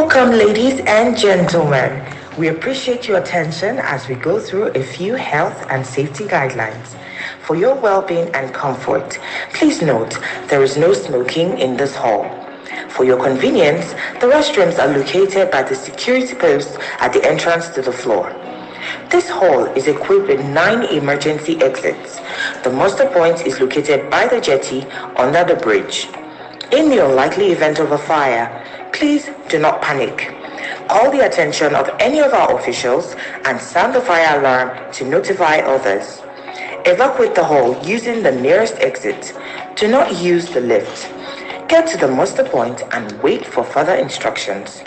Welcome, ladies and gentlemen. We appreciate your attention as we go through a few health and safety guidelines. For your well-being and comfort, please note there is no smoking in this hall. For your convenience, the restrooms are located by the security post at the entrance to the floor. This hall is equipped with nine emergency exits. The muster point is located by the jetty under the bridge. In the unlikely event of a fire, please do not panic. Call the attention of any of our officials and sound the fire alarm to notify others. Evacuate the hall using the nearest exit. Do not use the lift. Get to the muster point and wait for further instructions.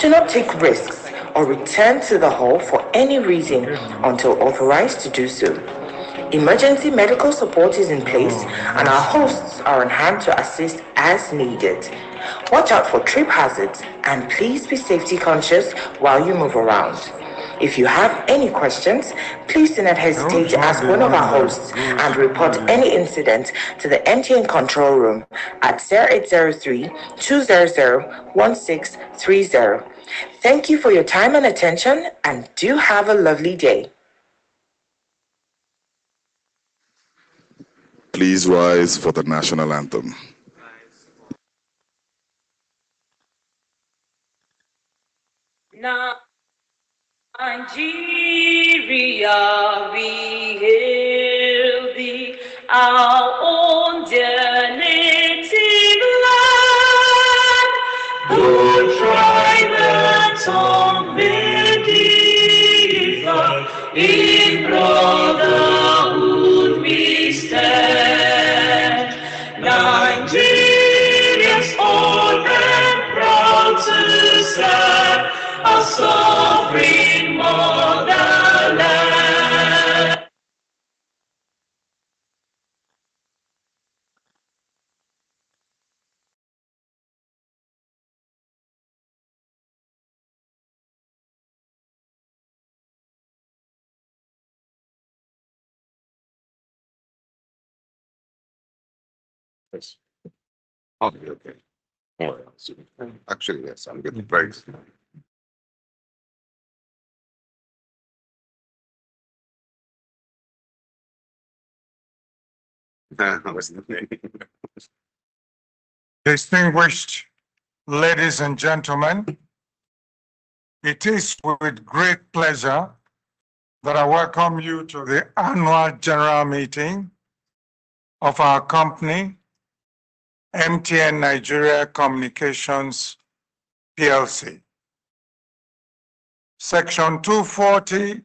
Do not take risks or return to the hall for any reason until authorized to do so. Emergency medical support is in place, and our hosts are on hand to assist as needed. Watch out for trip hazards, and please be safety conscious while you move around. If you have any questions, please do not hesitate to ask one of our hosts and report any incident to the MTN control room at 0803-200-1630. Thank you for your time and attention, and do have a lovely day. Please rise for the national anthem. Nigeria, we hail thee our own dear native land. Your tribes and tongues may differ in brotherhood we stand. Nigeria's honored princess of sovereign motherland. Distinguished ladies and gentlemen, it is with great pleasure that I welcome you to the annual general meeting of our company, MTN Nigeria Communications PLC. Section 240,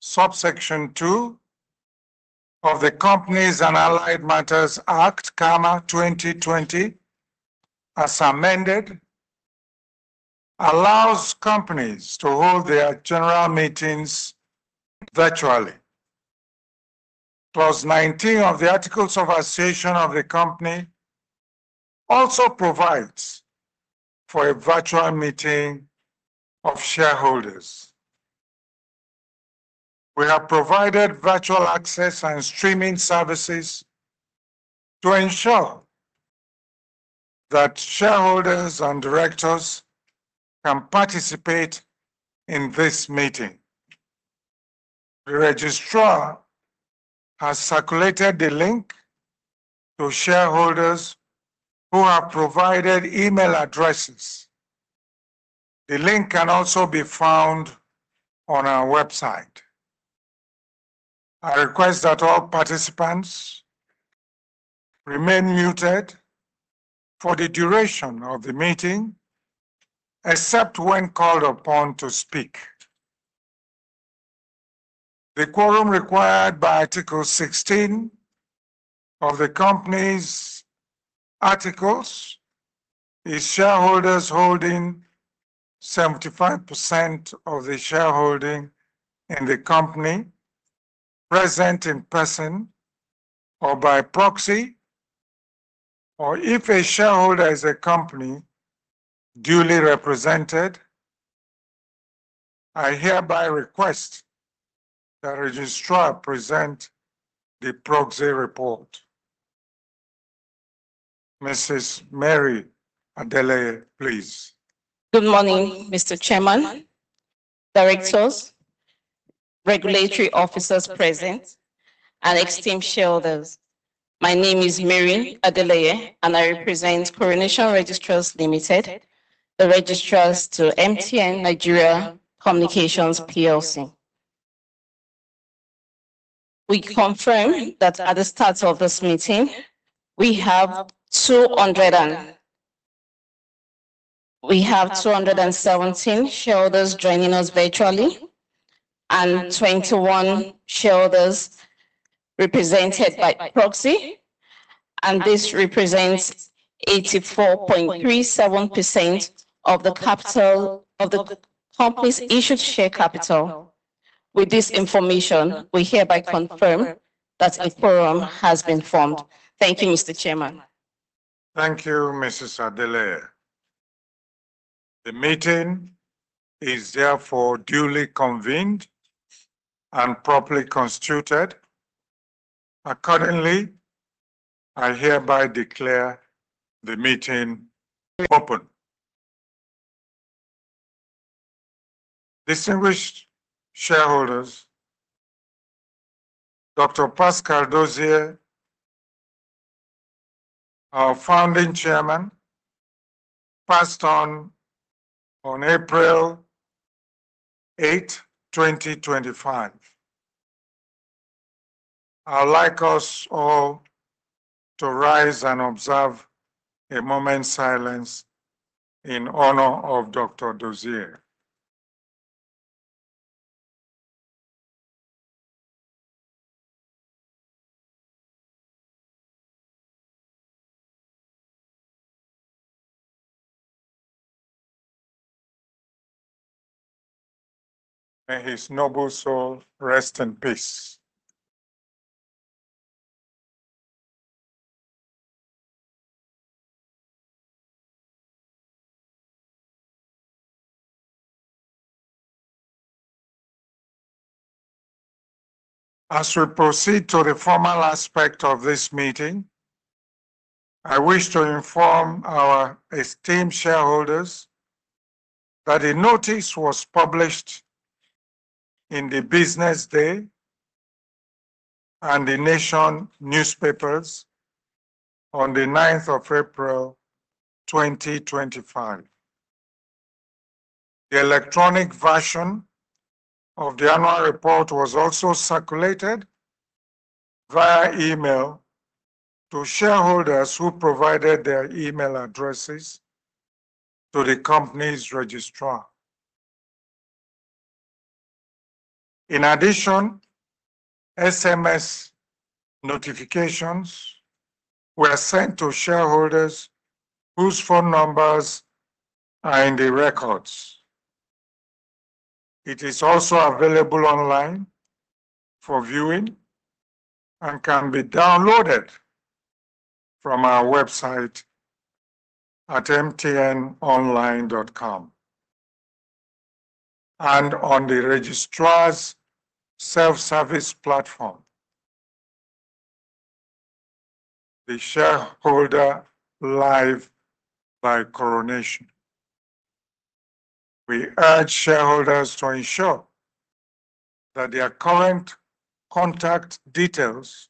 subsection 2 of the Companies and Allied Matters Act, 2020, as amended, allows companies to hold their general meetings virtually. Clause 19 of the Articles of Association of the company also provides for a virtual meeting of shareholders. We have provided virtual access and streaming services to ensure that shareholders and directors can participate in this meeting. The registrar has circulated the link to shareholders who have provided email addresses. The link can also be found on our website. I request that all participants remain muted for the duration of the meeting, except when called upon to speak. The quorum required by Article 16 of the company's articles is shareholders holding 75% of the shareholding in the company present in person or by proxy, or if a shareholder is a company duly represented. I hereby request that the registrar present the proxy report. Mrs. Mary Adeleye, please. Good morning, Mr. Chairman, directors, regulatory officers present, and esteemed shareholders. My name is Mary Adeleye, and I represent Coronation Registrars Limited, the registrars to MTN Nigeria Communications PLC. We confirm that at the start of this meeting, we have 217 shareholders joining us virtually and 21 shareholders represented by proxy, and this represents 84.37% of the capital of the company's issued share capital. With this information, we hereby confirm that a quorum has been formed. Thank you, Mr. Chairman. Thank you, Mrs. Adeleye. The meeting is therefore duly convened and properly constituted. Accordingly, I hereby declare the meeting open. Distinguished shareholders, Dr. Pascal Dozie, our founding chairman, passed on on April 8, 2025. I would like us all to rise and observe a moment's silence in honor of Dr. Dozie. May his noble soul rest in peace. As we proceed to the formal aspect of this meeting, I wish to inform our esteemed shareholders that the notice was published in the Business Day and the Nation newspapers on the 9th of April, 2025. The electronic version of the annual report was also circulated via email to shareholders who provided their email addresses to the company's registrar. In addition, SMS notifications were sent to shareholders whose phone numbers are in the records. It is also available online for viewing and can be downloaded from our website at mtnonline.com. and on the registrar's self-service platform, the Shareholder Live by Coronation. We urge shareholders to ensure that their current contact details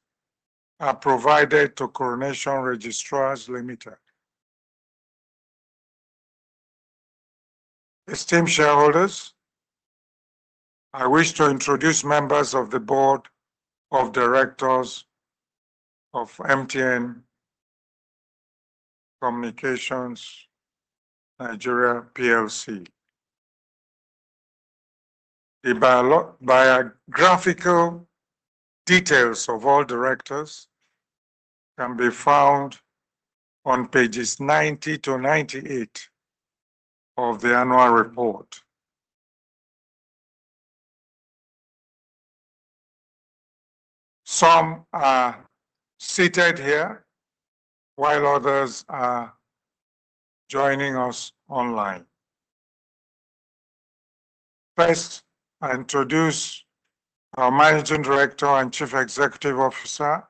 are provided to Coronation Registrars Limited. Esteemed shareholders, I wish to introduce members of the Board of Directors of MTN Nigeria Communications PLC. The biographical details of all directors can be found on pages 90 to 98 of the annual report. Some are seated here, while others are joining us online. First, I introduce our Managing Director and Chief Executive Officer,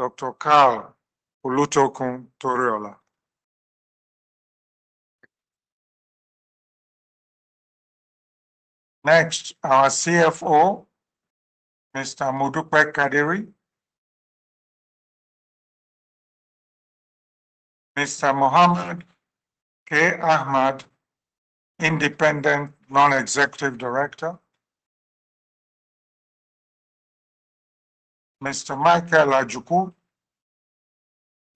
Dr. Karl Toriola. Next, our CFO, Mr. Modupe Kadri. Mr. Mohammed K. Ahmed, Independent Non-Executive Director. Mr. Michael Ajukwu,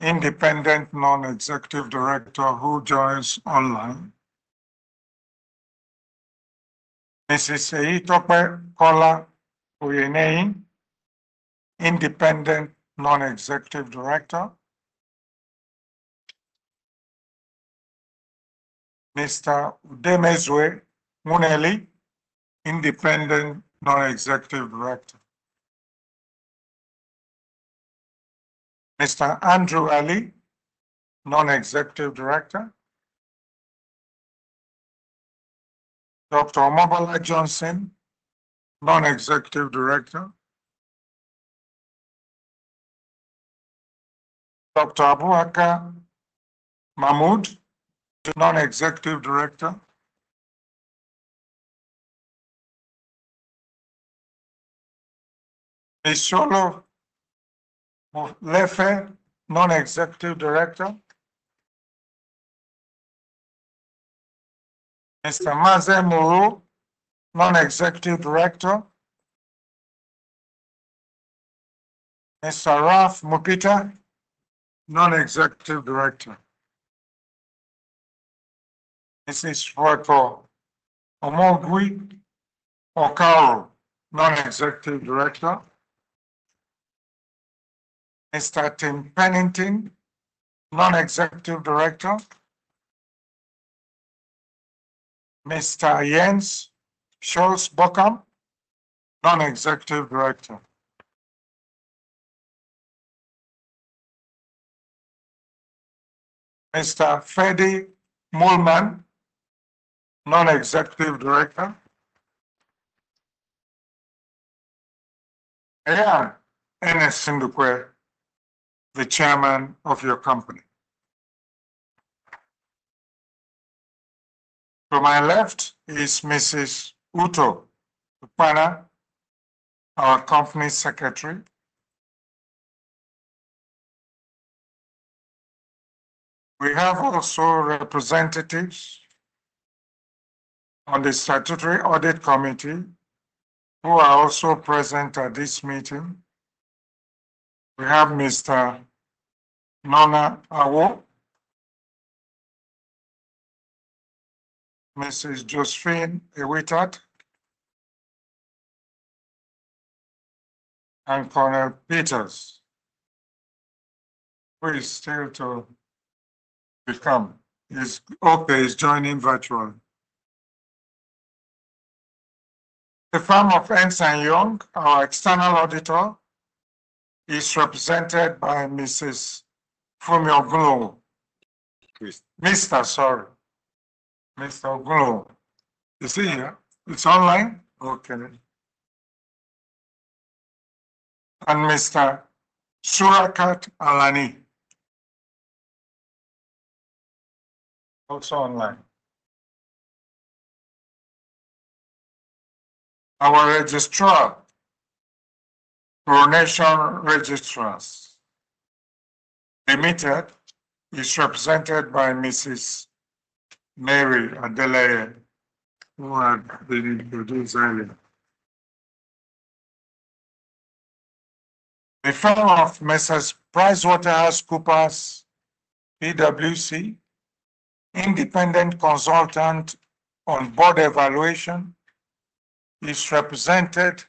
Independent Non-Executive Director, who joins online. Mrs. Eyitope Kola-Oyeneyin, Independent Non-Executive Director. Mr. Udemezuo Nwuneli, Independent Non-Executive Director. Mr. Andrew Alli, Non-Executive Director. Dr. Omobola Johnson, Non-Executive Director. Dr. Abubakar B. Mahmoud, Non-Executive Director. Mr. Tsholofelo Molefe, Non-Executive Director. Mr. Ralph Mupita, Non-Executive Director. Mrs. Ifueko Omoigui Okauru, Non-Executive Director. Mr. Timothy Pennington, Non-Executive Director. Mr. Jens Schulte-Bockum, Non-Executive Director. Mr. Ferdinand Moolman, Non-Executive Director. And Dr. Ernest Ndukwe, the chairman of your company. To my left is Mrs. Uto Ukpanah, our company secretary. We have also representatives on the Statutory Audit Committee who are also present at this meeting. We have Mr. Nona Awoh, Mrs. Josephine Ewitat, and Colonel Peters, who is still to become. His author is joining virtually. The firm of Ernst & Young, our external auditor, is represented by Mrs. Funmi Gbogun. Mr. Sorry. Mr. Gbogun. You see here? It's online? Okay. And Mr. Suryakant Alani, also online. Our registrar, Coronation Registrars Limited, is represented by Mrs. Mary Adewale, who I believe introduced earlier. The firm of PricewaterhouseCoopers, PWC, Independent Consultant on Board Evaluation, is represented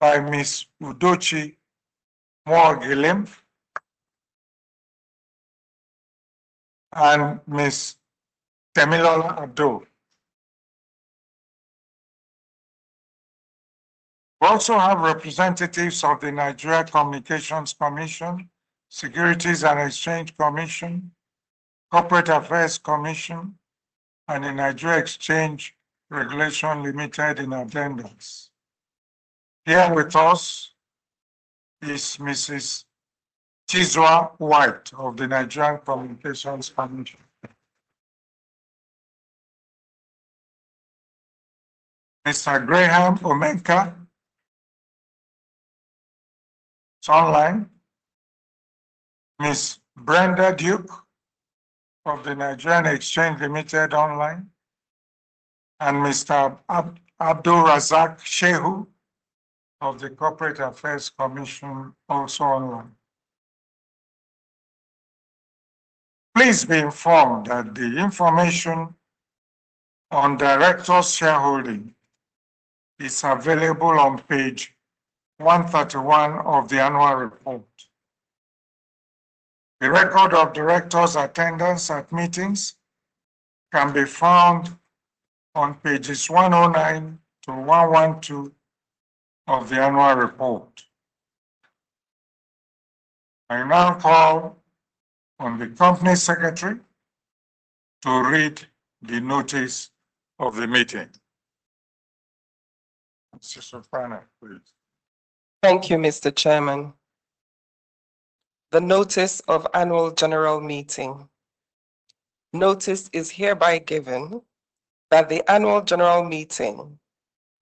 by Ms. Uduchi Moagilim and Ms. Temilola Addo. We also have representatives of the Nigerian Communications Commission, Securities and Exchange Commission, Corporate Affairs Commission, and the Nigerian Exchange Limited in addendums. Here with us is Mrs. Tizua White of the Nigerian Communications Commission. Mr. Graham Omenka. It's online. Ms. Brenda Duke of the Nigerian Exchange Limited online. Mr. Abdul Razak Shehu of the Corporate Affairs Commission, also online. Please be informed that the information on directors' shareholding is available on page 131 of the annual report. The record of directors' attendance at meetings can be found on pages 109 to 112 of the annual report. I now call on the Company Secretary to read the notice of the meeting. Mrs. Ukpanah, please. Thank you, Mr. Chairman. The notice of annual general meeting. Notice is hereby given that the annual general meeting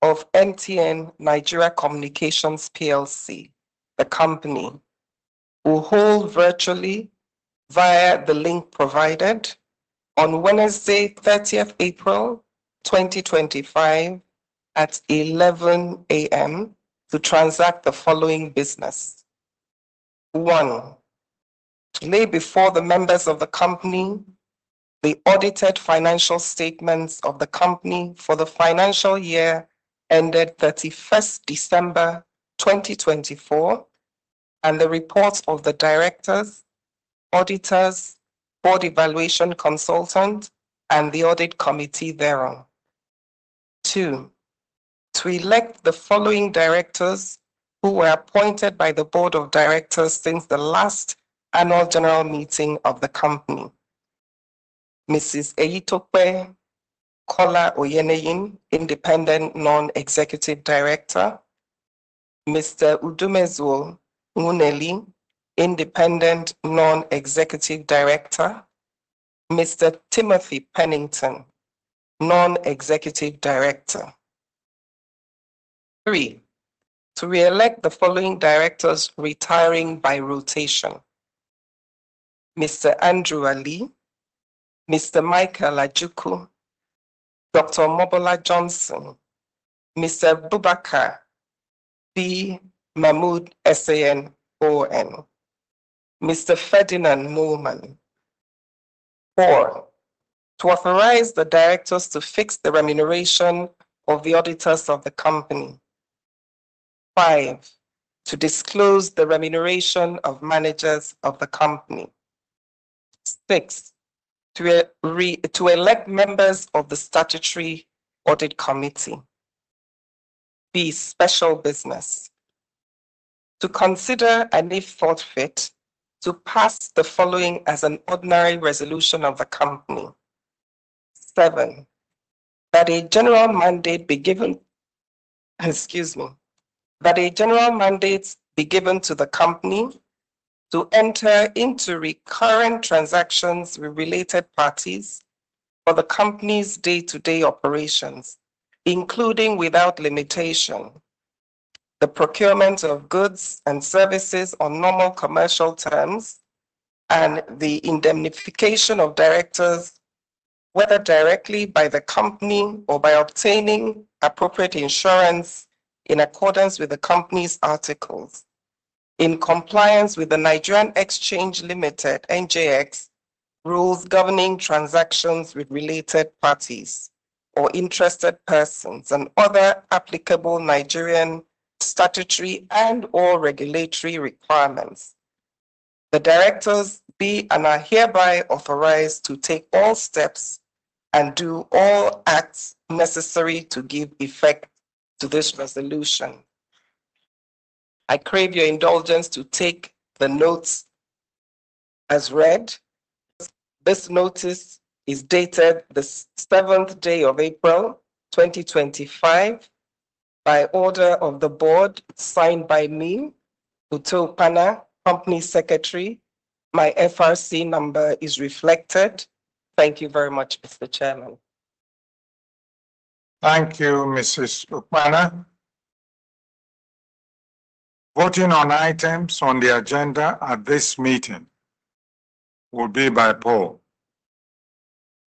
of MTN Nigeria Communications PLC, the company, will hold virtually via the link provided on Wednesday, 30th April 2025, at 11:00 A.M. to transact the following business. One, to lay before the members of the company the audited financial statements of the company for the financial year ended 31st December 2024, and the reports of the directors, auditors, board evaluation consultant, and the audit committee thereof. Two, to elect the following directors who were appointed by the board of directors since the last annual general meeting of the company. Mrs. Eyitope Kola-Oyeneyin, Independent Non-Executive Director. Mr. Udemezuo Nwuneli, Independent Non-Executive Director. Mr. Timothy Pennington, Non-Executive Director. Three, to re-elect the following directors retiring by rotation. Mr. Andrew Alli, Mr. Michael Ajukwu, Dr. Omobola Johnson, Mr. Abubakar B. Mahmoud SAN OON. Mr. Ferdinand Moolman. Four, to authorize the directors to fix the remuneration of the auditors of the company. Five, to disclose the remuneration of managers of the company. Six, to elect members of the Statutory Audit Committee. B. Special business. To consider and if fit to pass the following as an ordinary resolution of the company. Seven, that a general mandate be given—excuse me—that a general mandate be given to the company to enter into recurrent transactions with related parties for the company's day-to-day operations, including without limitation, the procurement of goods and services on normal commercial terms, and the indemnification of directors, whether directly by the company or by obtaining appropriate insurance in accordance with the company's articles, in compliance with the Nigerian Exchange Limited, NGX, rules governing transactions with related parties or interested persons and other applicable Nigerian statutory and/or regulatory requirements. The directors be and are hereby authorized to take all steps and do all acts necessary to give effect to this resolution. I crave your indulgence to take the notes as read. This notice is dated the 7th day of April 2025 by order of the board signed by me, Uto Ukpanah, Company Secretary. My FRC number is reflected. Thank you very much, Mr. Chairman. Thank you, Mrs. Ukpana. Voting on items on the agenda at this meeting will be by poll.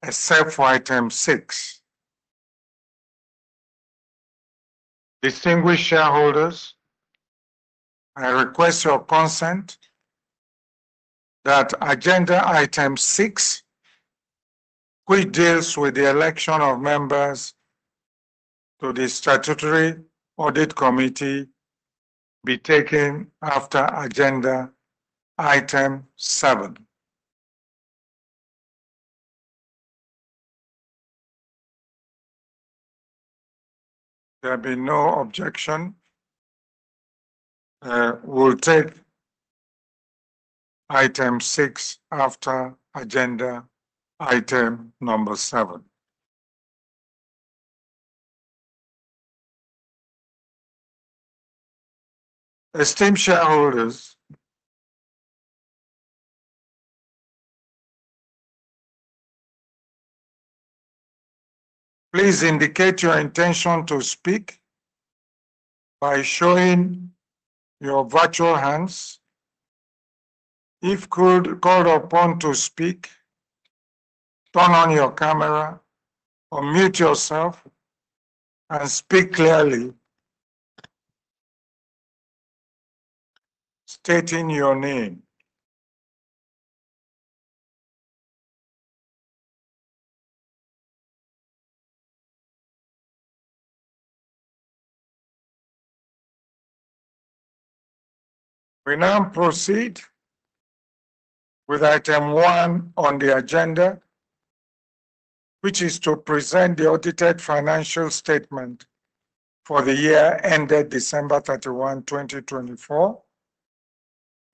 Except for item six, distinguished shareholders, I request your consent that agenda item six, which deals with the election of members to the Statutory Audit Committee, be taken after agenda item seven. There have been no objections. We'll take item six after agenda item number seven. Esteemed shareholders, please indicate your intention to speak by showing your virtual hands. If called upon to speak, turn on your camera or mute yourself and speak clearly, stating your name. We now proceed with item one on the agenda, which is to present the audited financial statement for the year ended December 31, 2024,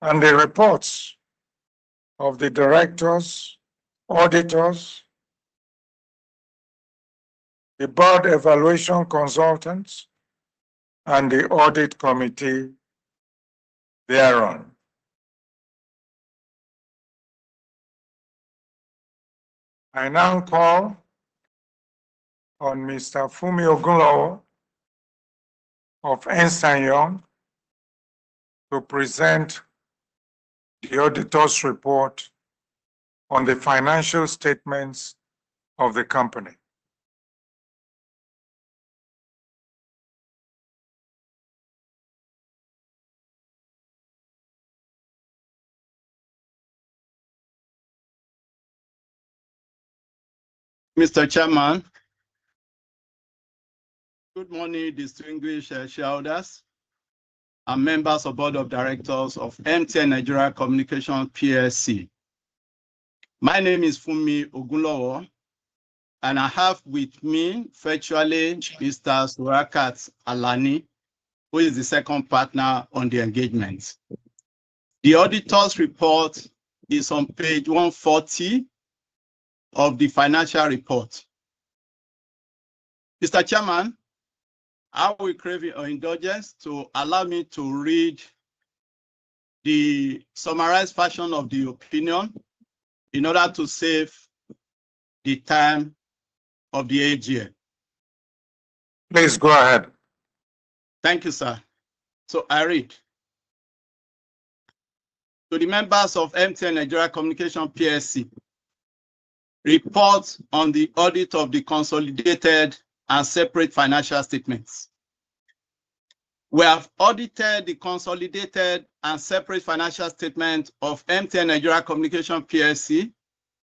and the reports of the directors, auditors, the board evaluation consultants, and the audit committee thereon. I now call on Mr. Funmi Ogunlowo of Ernst & Young to present the auditor's report on the financial statements of the company. Mr. Chairman. Good morning, distinguished shareholders and members of the board of directors of MTN Nigeria Communications PLC. My name is Funmi Ogunlowo, and I have with me virtually Mr. Suryakant Alani, who is the second partner on the engagement. The auditor's report is on page 140 of the financial report. Mr. Chairman, I will crave your indulgence to allow me to read the summarized version of the opinion in order to save the time of the AG. Please go ahead. Thank you, sir. I read. To the members of MTN Nigeria Communications PLC, report on the audit of the consolidated and separate financial statements. We have audited the consolidated and separate financial statements of MTN Nigeria Communications PLC,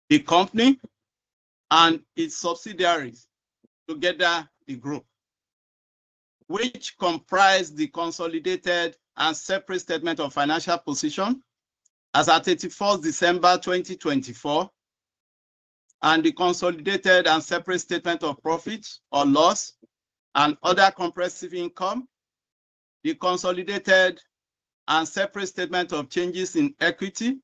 the company, and its subsidiaries, together the group, which comprised the consolidated and separate statement of financial position as of 31st December 2024, and the consolidated and separate statement of profit or loss and other comprehensive income, the consolidated and separate statement of changes in equity,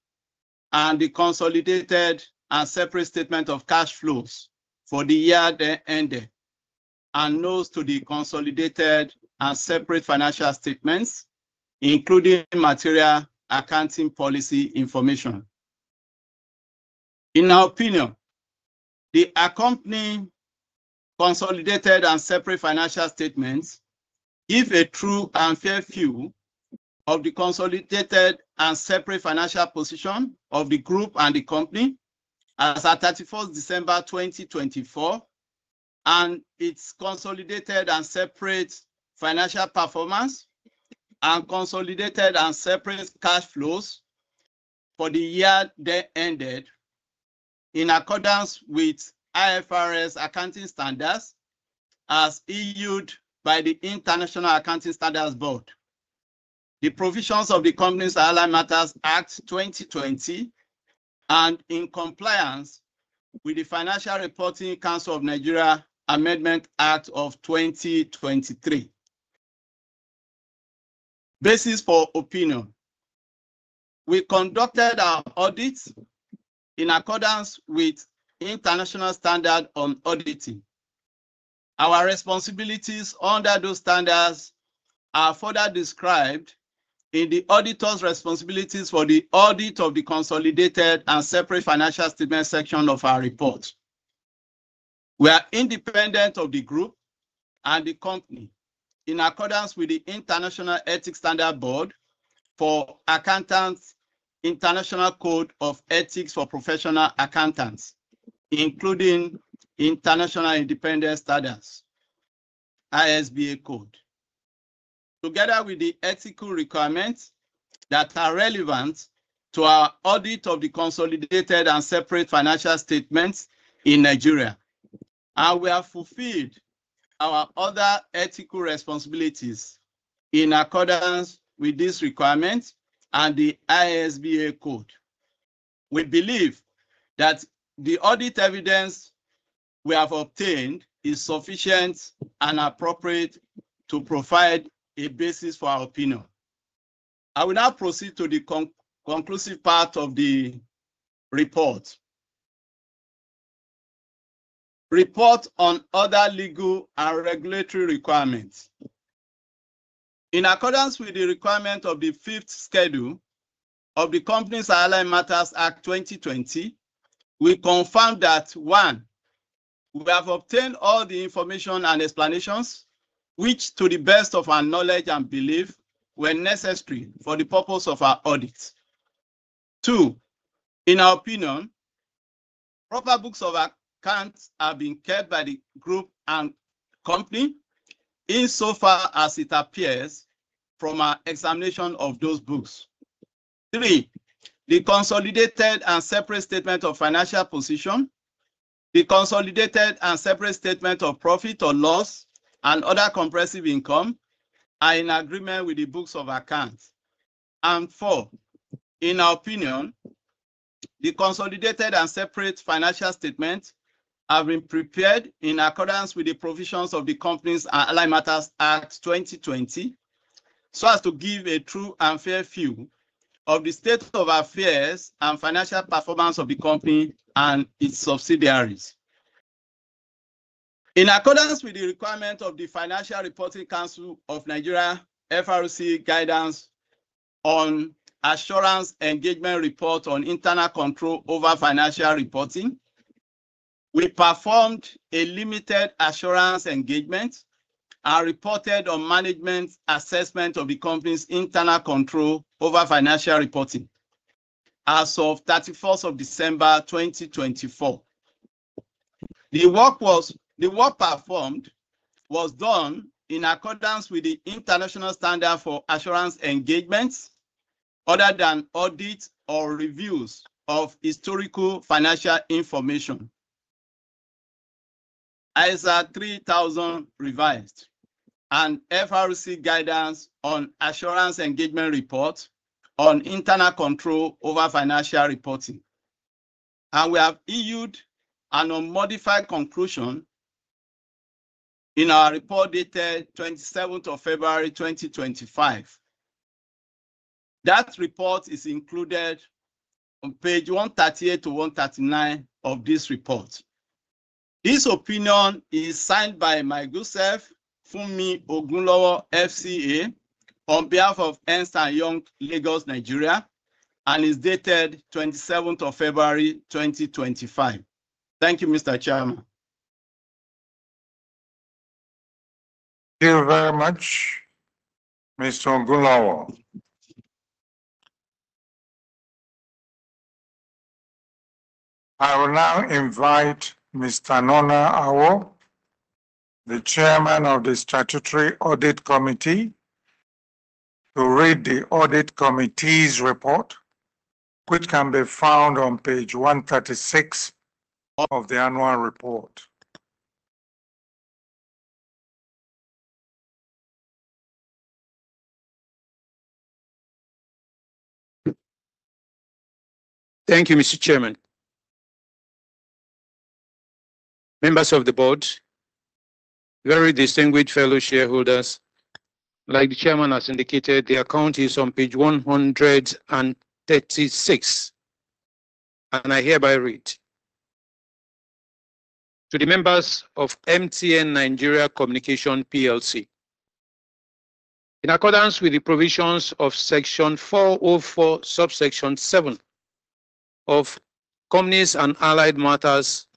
and the consolidated and separate statement of cash flows for the year ended, and notes to the consolidated and separate financial statements, including material accounting policy information. In our opinion, the accompanying consolidated and separate financial statements give a true and fair view of the consolidated and separate financial position of the group and the company as of 31 December 2024, and its consolidated and separate financial performance and consolidated and separate cash flows for the year they ended in accordance with IFRS accounting standards as issued by the International Accounting Standards Board, the provisions of the Companies and Allied Matters Act 2020, and in compliance with the Financial Reporting Council of Nigeria Amendment Act of 2023. Basis for opinion. We conducted our audits in accordance with international standards on auditing. Our responsibilities under those standards are further described in the auditor's responsibilities for the audit of the consolidated and separate financial statements section of our report. We are independent of the group and the company in accordance with the International Ethics Standards Board for Accountants International Code of Ethics for Professional Accountants, including International Independent Standards, ISBA Code, together with the ethical requirements that are relevant to our audit of the consolidated and separate financial statements in Nigeria. We have fulfilled our other ethical responsibilities in accordance with these requirements and the IESBA Code. We believe that the audit evidence we have obtained is sufficient and appropriate to provide a basis for our opinion. I will now proceed to the conclusive part of the report. Report on other legal and regulatory requirements. In accordance with the requirement of the fifth schedule of the Companies and Allied Matters Act 2020, we confirm that, one, we have obtained all the information and explanations which, to the best of our knowledge and belief, were necessary for the purpose of our audits. Two, in our opinion, proper books of accounts have been kept by the group and company insofar as it appears from our examination of those books. Three, the consolidated and separate statement of financial position, the consolidated and separate statement of profit or loss and other comprehensive income are in agreement with the books of accounts. Four, in our opinion, the consolidated and separate financial statements have been prepared in accordance with the provisions of the Companies and Allied Matters Act 2020, so as to give a true and fair view of the state of affairs and financial performance of the company and its subsidiaries. In accordance with the requirement of the Financial Reporting Council of Nigeria FRC guidance on assurance engagement report on internal control over financial reporting, we performed a limited assurance engagement and reported on management assessment of the company's internal control over financial reporting as of 31st of December 2024. The work performed was done in accordance with the international standard for assurance engagements other than audit or reviews of historical financial information, ISA 3000 revised, and FRC guidance on assurance engagement report on internal control over financial reporting. We have issued a non-modified conclusion in our report dated 27th of February 2025. That report is included on page 138 to 139 of this report. This opinion is signed by my good self, Funmi Ogunlowo, FCA, on behalf of Ernst & Young, Nigeria, and is dated 27th of February 2025. Thank you, Mr. Chairman. Thank you very much, Mr. Ogunlowo. I will now invite Mr. Nornah Awoh, the Chairman of the Statutory Audit Committee, to read the audit committee's report, which can be found on page 136 of the annual report. Thank you, Mr. Chairman. Members of the board, very distinguished fellow shareholders. Like the chairman has indicated, the account is on page 136, and I hereby read to the members of MTN Nigeria Communications PLC, in accordance with the provisions of section 404, subsection 7 of Companies and Allied Matters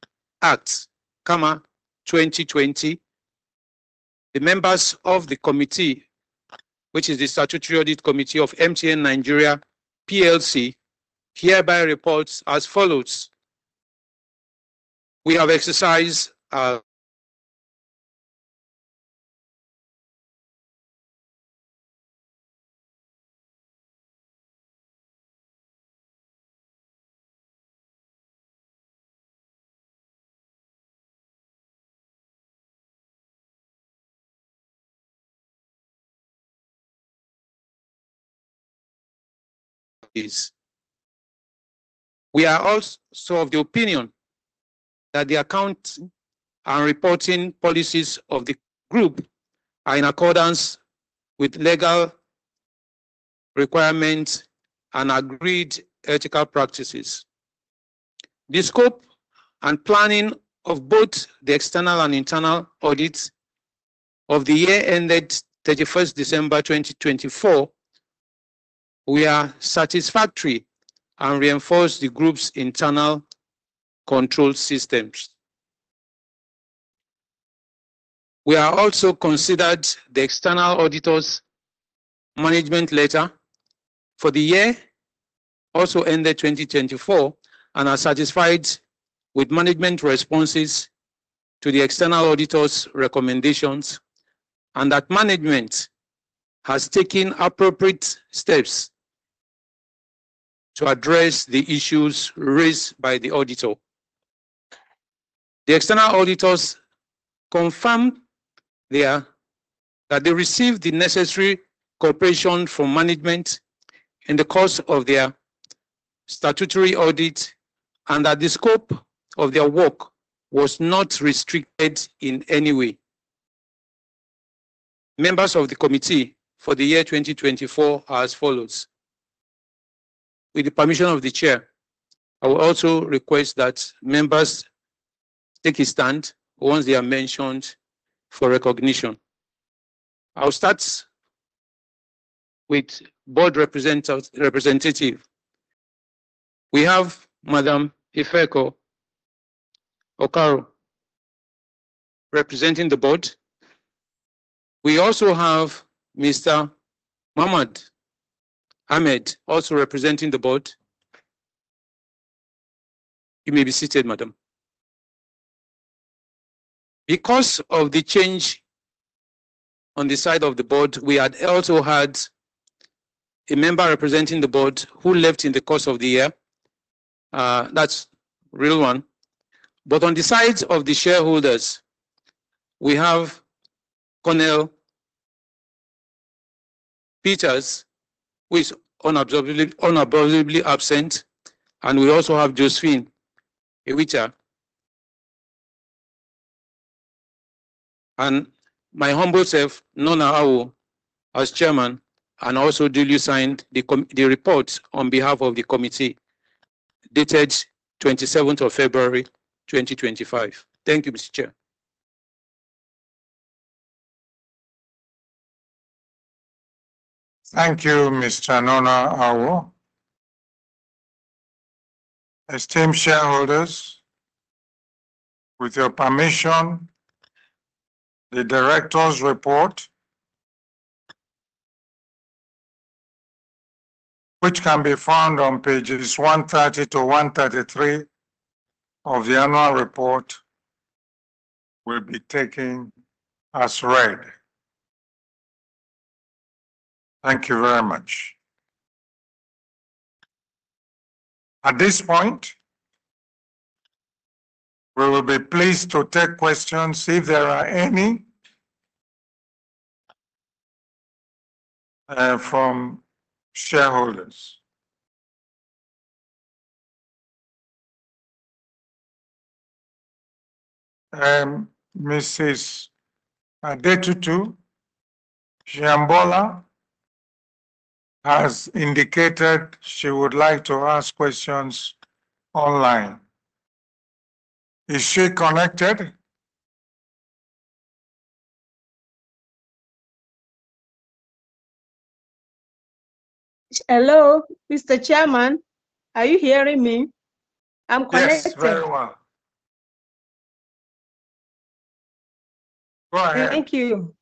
Act, 2020, the members of the committee, which is the Statutory Audit Committee of MTN Nigeria PLC, hereby reports as follows. We have exercised our committees. We are also of the opinion that the account and reporting policies of the group are in accordance with legal requirements and agreed ethical practices. The scope and planning of both the external and internal audits of the year ended 31st December 2024, we are satisfactory and reinforce the group's internal control systems. We also considered the external auditor's management letter for the year ended 2024, and are satisfied with management responses to the external auditor's recommendations and that management has taken appropriate steps to address the issues raised by the auditor. The external auditors confirm that they received the necessary cooperation from management in the course of their statutory audit and that the scope of their work was not restricted in any way. Members of the committee for the year 2024 are as follows. With the permission of the chair, I will also request that members take a stand once they are mentioned for recognition. I'll start with board representative. We have Madame Ifueko Omoigui Okauru representing the board. We also have Mr. Mohammed K. Ahmed also representing the board. You may be seated, madam. Because of the change on the side of the board, we had also had a member representing the board who left in the course of the year. That's a real one. On the side of the shareholders, we have Cornell Peters, who is unabsorbably absent, and we also have Josephine Ewitat. My humble self, Nornah Awoh, as chairman, and also Julie signed the report on behalf of the committee dated 27th of February 2025. Thank you, Mr. Chair. Thank you, Mr. Nona Awoh. Esteemed shareholders, with your permission, the director's report, which can be found on pages 130 to 133 of the annual report, will be taken as read. Thank you very much. At this point, we will be pleased to take questions if there are any from shareholders. Mrs. Adetutu Siyanbola has indicated she would like to ask questions online. Is she connected? Hello, Mr. Chairman. Are you hearing me? I'm connected. Yes, very well. Go ahead. Thank you.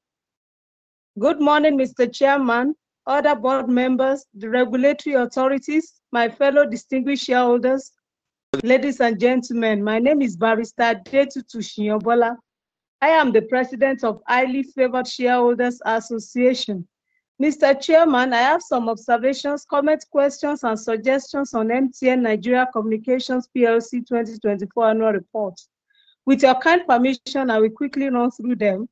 Good morning, Mr. Chairman, other board members, the regulatory authorities, my fellow distinguished shareholders. Ladies and gentlemen, my name is Barrister Adetutu Siyanbola. I am the president of Eileen Favorite Shareholders Association. Mr. Chairman, I have some observations, comments, questions, and suggestions on MTN Nigeria Communications 2024 annual report. With your kind permission, I will quickly run through them.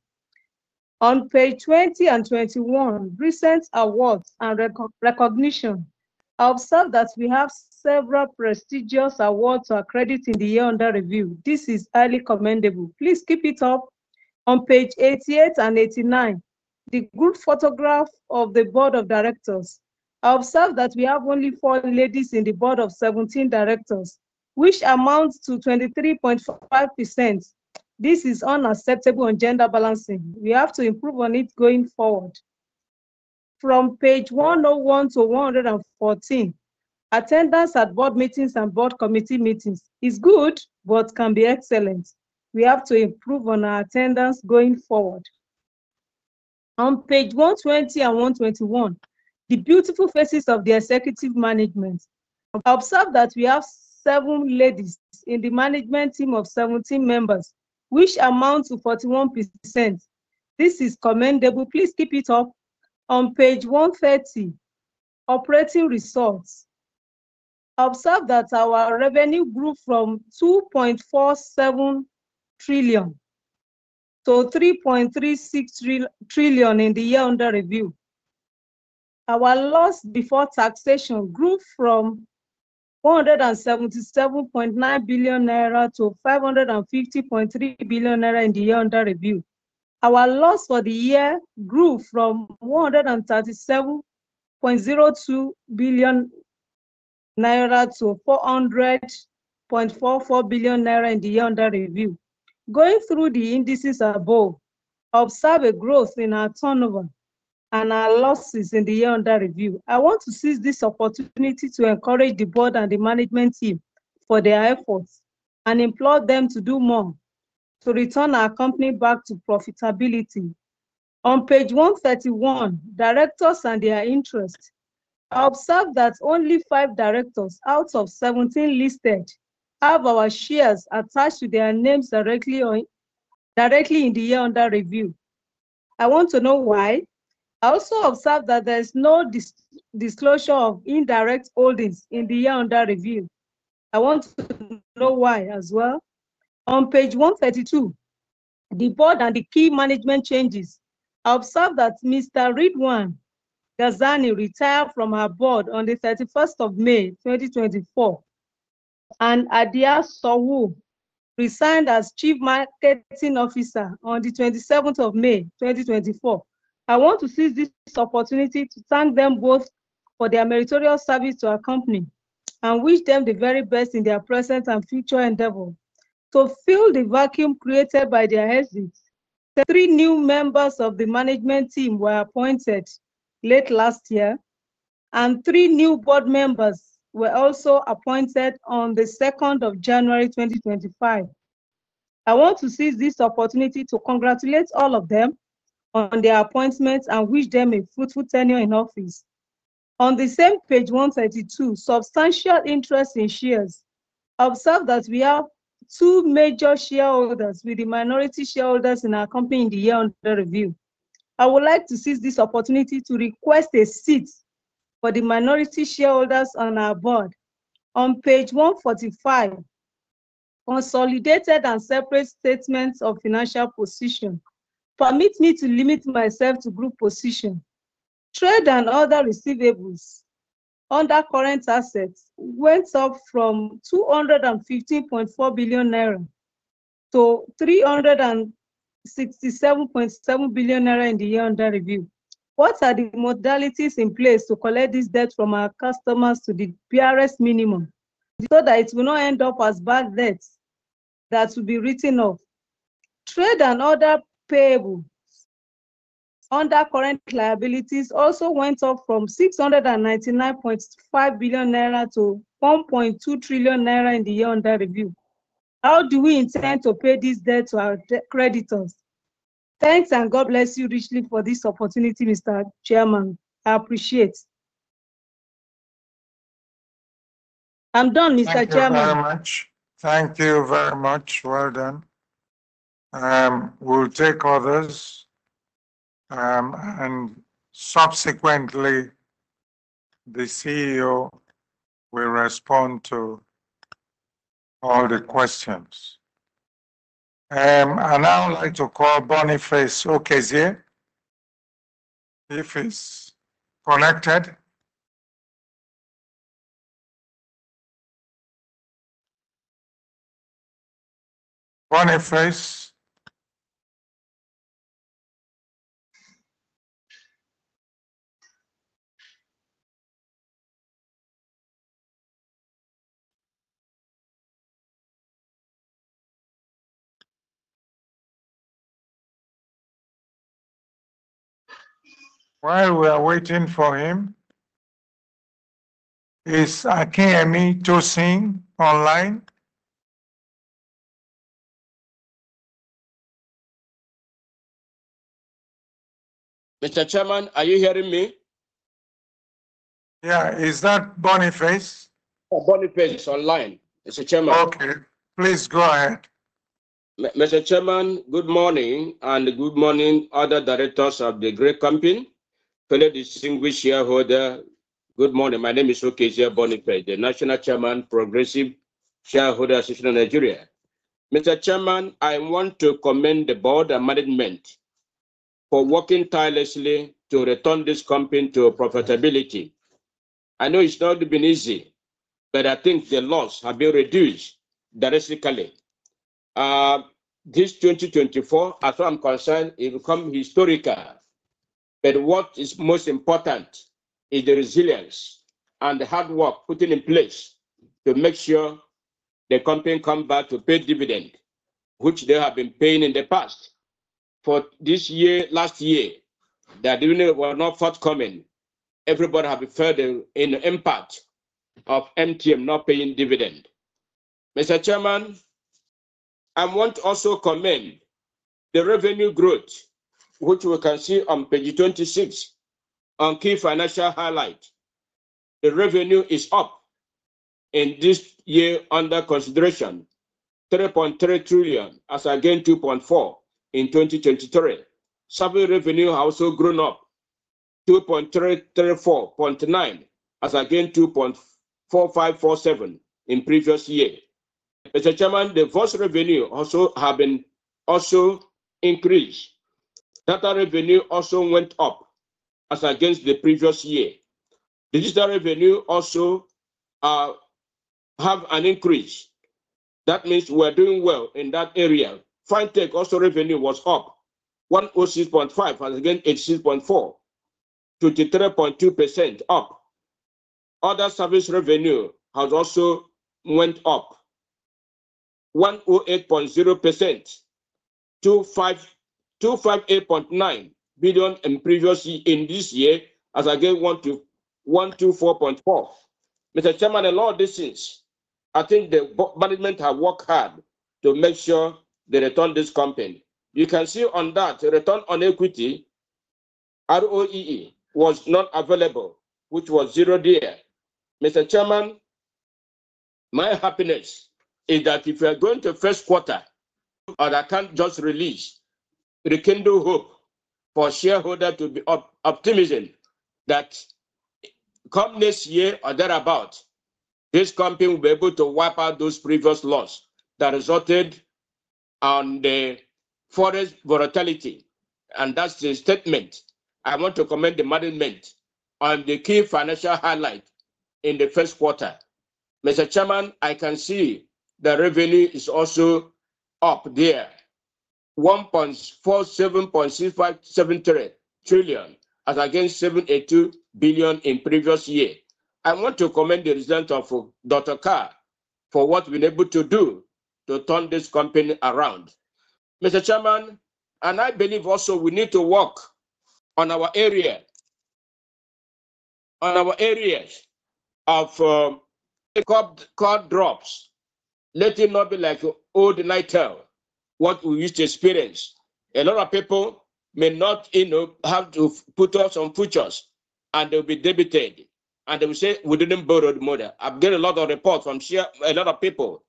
On page 20 and 21, recent awards and recognition. I observe that we have several prestigious awards or credits in the year under review. This is highly commendable. Please keep it up. On page 88 and 89, the good photograph of the board of directors. I observe that we have only four ladies in the board of 17 directors, which amounts to 23.5%. This is unacceptable on gender balancing. We have to improve on it going forward. From page 101 to 114, attendance at board meetings and board committee meetings is good but can be excellent. We have to improve on our attendance going forward. On page 120 and 121, the beautiful faces of the executive management. I observe that we have seven ladies in the management team of 17 members, which amounts to 41%. This is commendable. Please keep it up. On page 130, operating results. I observe that our revenue grew from 2.47 trillion to 3.36 trillion in the year under review. Our loss before taxation grew from 477.9 billion naira to 550.3 billion naira in the year under review. Our loss for the year grew from 137.02 billion naira to 400.44 billion naira in the year under review. Going through the indices above, I observe a growth in our turnover and our losses in the year under review. I want to seize this opportunity to encourage the board and the management team for their efforts and implore them to do more to return our company back to profitability. On page 131, directors and their interest. I observe that only five directors out of 17 listed have our shares attached to their names directly in the year under review. I want to know why. I also observe that there is no disclosure of indirect holdings in the year under review. I want to know why as well. On page 132, the board and the key management changes. I observe that Mr. Ridwan Ghazani retired from our board on the 31st of May 2024, and Adia Sowu resigned as Chief Marketing Officer on the 27th of May 2024. I want to seize this opportunity to thank them both for their meritorious service to our company and wish them the very best in their present and future endeavor to fill the vacuum created by their exits. Three new members of the management team were appointed late last year, and three new board members were also appointed on the 2nd of January 2025. I want to seize this opportunity to congratulate all of them on their appointments and wish them a fruitful tenure in office. On the same page 132, substantial interest in shares. I observe that we have two major shareholders with the minority shareholders in our company in the year under review. I would like to seize this opportunity to request a seat for the minority shareholders on our board. On page 145, consolidated and separate statements of financial position. Permit me to limit myself to group position. Trade and other receivables under current assets went up from 215.4 billion naira to 367.7 billion naira in the year under review. What are the modalities in place to collect this debt from our customers to the PRS minimum so that it will not end up as bad debt that will be written off? Trade and other payables under current liabilities also went up from 699.5 billion naira to 1.2 trillion naira in the year under review. How do we intend to pay this debt to our creditors? Thanks and God bless you richly for this opportunity, Mr. Chairman. I appreciate it. I'm done, Mr. Chairman. Thank you very much. Thank you very much. Well done. We'll take orders, and subsequently, the CEO will respond to all the questions. Now I'd like to call Boniface Okezie. If he's connected. Boniface. While we are waiting for him, is Akeme Tosing online? Mr. Chairman, are you hearing me? Yeah. Is that Boniface? Oh, Boniface online. Mr. Chairman. Okay. Please go ahead. Mr. Chairman, good morning and good morning, other directors of the great company, fellow distinguished shareholders. Good morning. My name is Boniface Okezie, the national chairman, Progressive Shareholders Association of Nigeria. Mr. Chairman, I want to commend the board and management for working tirelessly to return this company to profitability. I know it's not been easy, but I think the loss has been reduced drastically. This 2024, as far as I'm concerned, it will come historical, but what is most important is the resilience and the hard work put in place to make sure the company comes back to pay dividend, which they have been paying in the past. For this year, last year, that even though it was not forthcoming, everybody has referred to the impact of MTN not paying dividend. Mr. Chairman, I want to also commend the revenue growth, which we can see on page 26 on key financial highlights. The revenue is up in this year under consideration, 3.3 trillion, as against 2.4 trillion in 2023. Service revenue has also grown up, 2.349 trillion, as against 2.4547 trillion in the previous year. Mr. Chairman, the gross revenue also has been also increased. Total revenue also went up, as against the previous year. Digital revenue also has an increase. That means we're doing well in that area. Fintech also revenue was up, 106.5 billion, as against 86.4 billion, to 23.2% up. Other service revenue has also went up, 108.0%, 258.9 billion in previous year in this year, as against 124.4 billion. Mr. Chairman, a lot of distance. I think the board management has worked hard to make sure they return this company. You can see on that, the return on equity, ROE, was not available, which was zero there. Mr. Chairman, my happiness is that if we are going to first quarter, or I can't just release, it can do hope for shareholders to be optimism that come next year or thereabout, this company will be able to wipe out those previous losses that resulted on the forex volatility. That's the statement. I want to commend the management on the key financial highlight in the first quarter. Mr. Chairman, I can see the revenue is also up there, 1.47657 trillion, as against 782 billion in previous year. I want to commend the result of Dr. Karl for what we've been able to do to turn this company around. Mr. Chairman, and I believe also we need to work on our area, on our areas of card drops, letting nobody like old Nitel what we used to experience. A lot of people may not have to put up some futures, and they'll be debited, and they will say, "We didn't borrow the money." I've got a lot of reports from a lot of people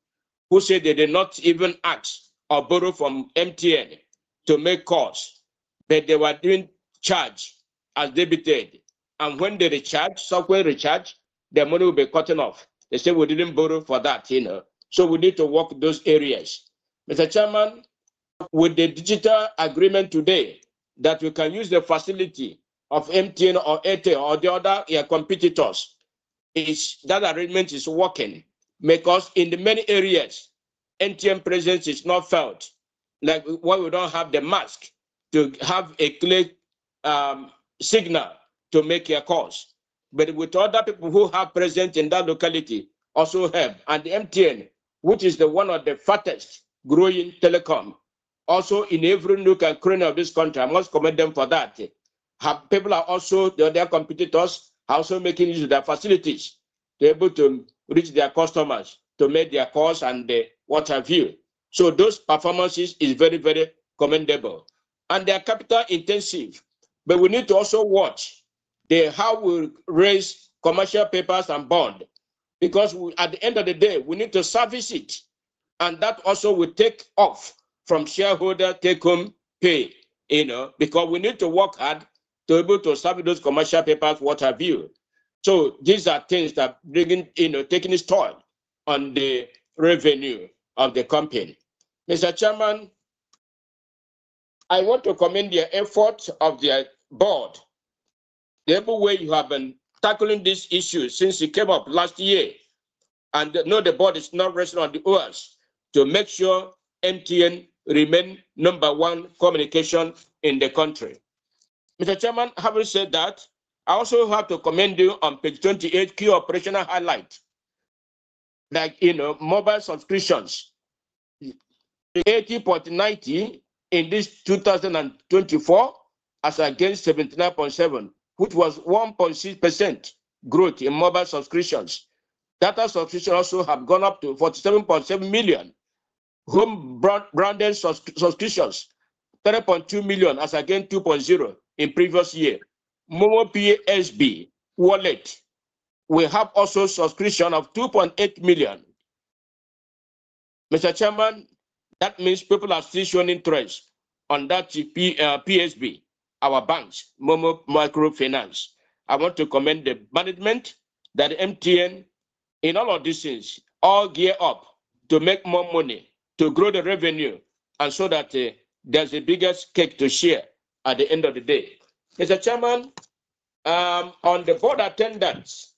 who say they did not even ask or borrow from MTN to make calls, but they were being charged as debited. When they recharge, software recharge, their money will be cutting off. They say, "We didn't borrow for that." We need to work those areas. Mr. Chairman, with the digital agreement today that we can use the facility of MTN or Etisalat or the other competitors, that arrangement is working because in many areas, MTN presence is not felt. Like why we do not have the mask to have a clear signal to make your calls. With other people who have presence in that locality also have. MTN, which is one of the fastest growing telecoms, also in every nook and corner of this country, I must commend them for that. People are also, their competitors are also making use of their facilities to be able to reach their customers to make their calls and what have you. Those performances are very, very commendable. They are capital intensive, but we need to also watch how we raise commercial papers and bond because at the end of the day, we need to service it. That also will take off from shareholder take-home pay because we need to work hard to be able to service those commercial papers, what have you. These are things that are taking its toll on the revenue of the company. Mr. Chairman, I want to commend the efforts of the board. The way you have been tackling this issue since it came up last year, and now the board is now resting on the oars to make sure MTN remains number one communication in the country. Mr. Chairman, having said that, I also have to commend you on page 28, key operational highlights, like mobile subscriptions. 80.90 in this 2024, as against 79.7, which was 1.6% growth in mobile subscriptions. Data subscriptions also have gone up to 47.7 million. Home branded subscriptions, 30.2 million, as against 2.0 in previous year. MoMo PSB wallet. We have also subscriptions of 2.8 million. Mr. Chairman, that means people are stationing trust on that PSB, our banks, MoMo Microfinance. I want to commend the management that MTN, in all of these things, all gear up to make more money, to grow the revenue, and so that there's the biggest cake to share at the end of the day. Mr. Chairman, on the board attendance,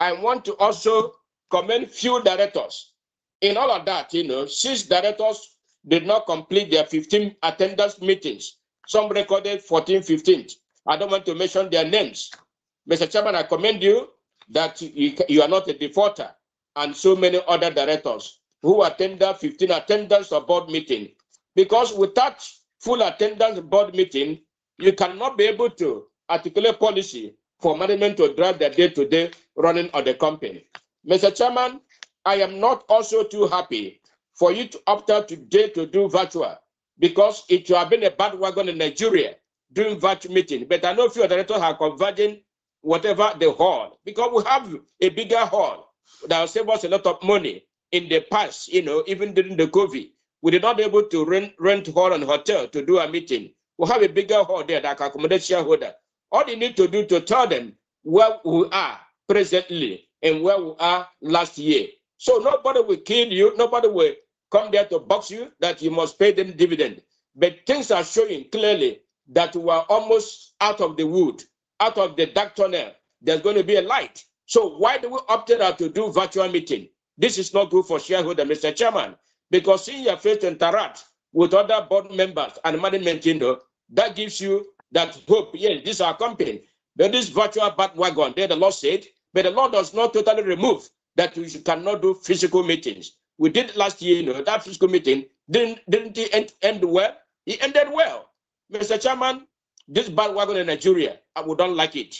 I want to also commend a few directors. In all of that, six directors did not complete their 15 attendance meetings. Some recorded 14, 15. I don't want to mention their names. Mr. Chairman, I commend you that you are not a defaulter, and so many other directors who attend the 15 attendance of board meetings. Because without full attendance board meetings, you cannot be able to articulate policy for management to drive the day-to-day running of the company. Mr. Chairman, I am not also too happy for you to opt out today to do virtual because it will have been a bad wagon in Nigeria during virtual meetings. I know a few directors are converging whatever the hall because we have a bigger hall that saved us a lot of money in the past, even during the COVID. We did not be able to rent hall and hotel to do a meeting. We have a bigger hall there that can accommodate shareholders. All you need to do to tell them where we are presently and where we were last year. Nobody will kill you. Nobody will come there to box you that you must pay them dividend. Things are showing clearly that we are almost out of the wood, out of the dark tunnel. There is going to be a light. Why do we opt out to do virtual meetings? This is not good for shareholders, Mr. Chairman, because seeing your face in Tirad with other board members and management, that gives you that hope. Yes, this is our company. This virtual bad wagon, the law said, but the law does not totally remove that you cannot do physical meetings. We did last year. That physical meeting did not end well. It ended well. Mr. Chairman, this bad wagon in Nigeria, we do not like it.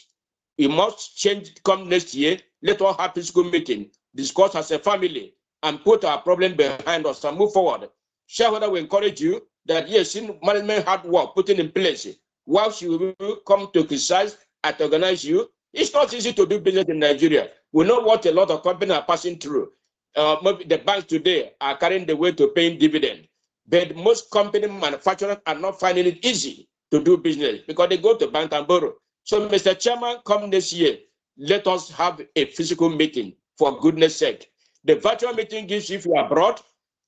We must change come next year. Let us all have physical meetings, discuss as a family, and put our problem behind us and move forward. Shareholders, we encourage you that, yes, seeing management hard work put in place, once you come to criticize and organize you, it is not easy to do business in Nigeria. We know what a lot of companies are passing through. The banks today are carrying the weight of paying dividends, but most company manufacturers are not finding it easy to do business because they go to bank and borrow. Mr. Chairman, come this year, let us have a physical meeting for goodness' sake. The virtual meeting gives you if you are brought,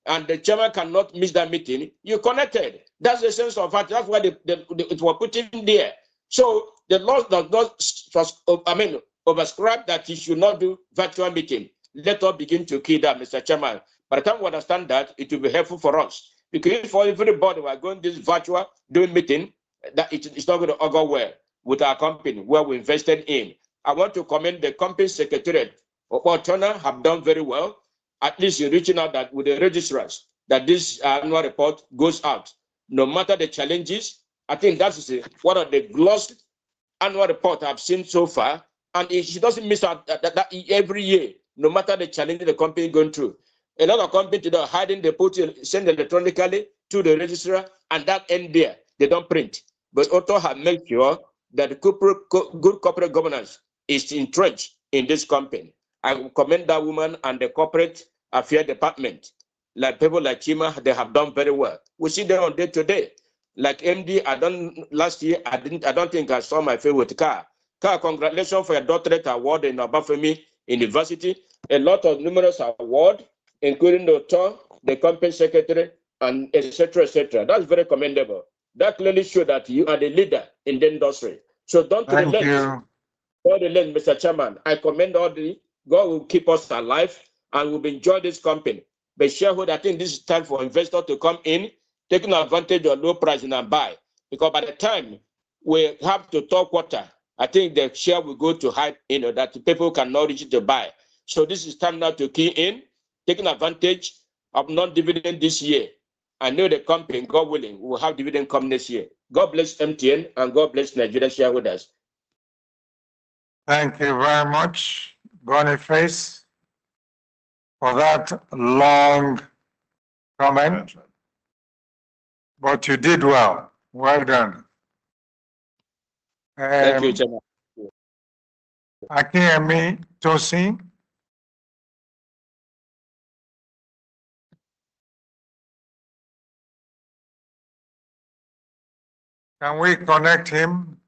and the chairman cannot miss that meeting. You're connected. That's the sense of it. That's why it was put in there. The law does not, I mean, overscribe that you should not do virtual meetings. Let's all begin to kill that, Mr. Chairman. By the time we understand that, it will be helpful for us because for everybody who are going this virtual doing meeting, it's not going to go well with our company, where we invested in. I want to commend the company secretariat or turner, have done very well. At least you're reaching out that with the registrars that this annual report goes out, no matter the challenges. I think that's one of the glossed annual reports I've seen so far. And she doesn't miss out that every year, no matter the challenges the company is going through. A lot of companies are hiding the reports, sending electronically to the registrar, and that ends there. They don't print. But Uto has made sure that good corporate governance is entrenched in this company. I commend that woman and the corporate affairs department. People like him, they have done very well. We see them on day-to-day. Like MD, I don't last year, I don't think I saw my favorite car. Karl, congratulations for your doctorate award in Obafemi University. A lot of numerous awards, including the Uto, the company secretary, and etc., etc. That's very commendable. That clearly shows that you are the leader in the industry. Do not relent. Do not relent, Mr. Chairman. I commend all the goal will keep us alive and we will enjoy this company. Shareholders, I think this is time for investors to come in, taking advantage of low price and buy. By the time we have to third quarter, I think the share will go to height that people cannot reach to buy. This is time now to key in, taking advantage of non-dividend this year. I know the company, God willing, we will have dividend come this year. God bless MTN and God bless Nigeria shareholders. Thank you very much, Boniface, for that long comment. You did well. Well done. Thank you, Chairman. Adeyemi Tosin. Can we connect him?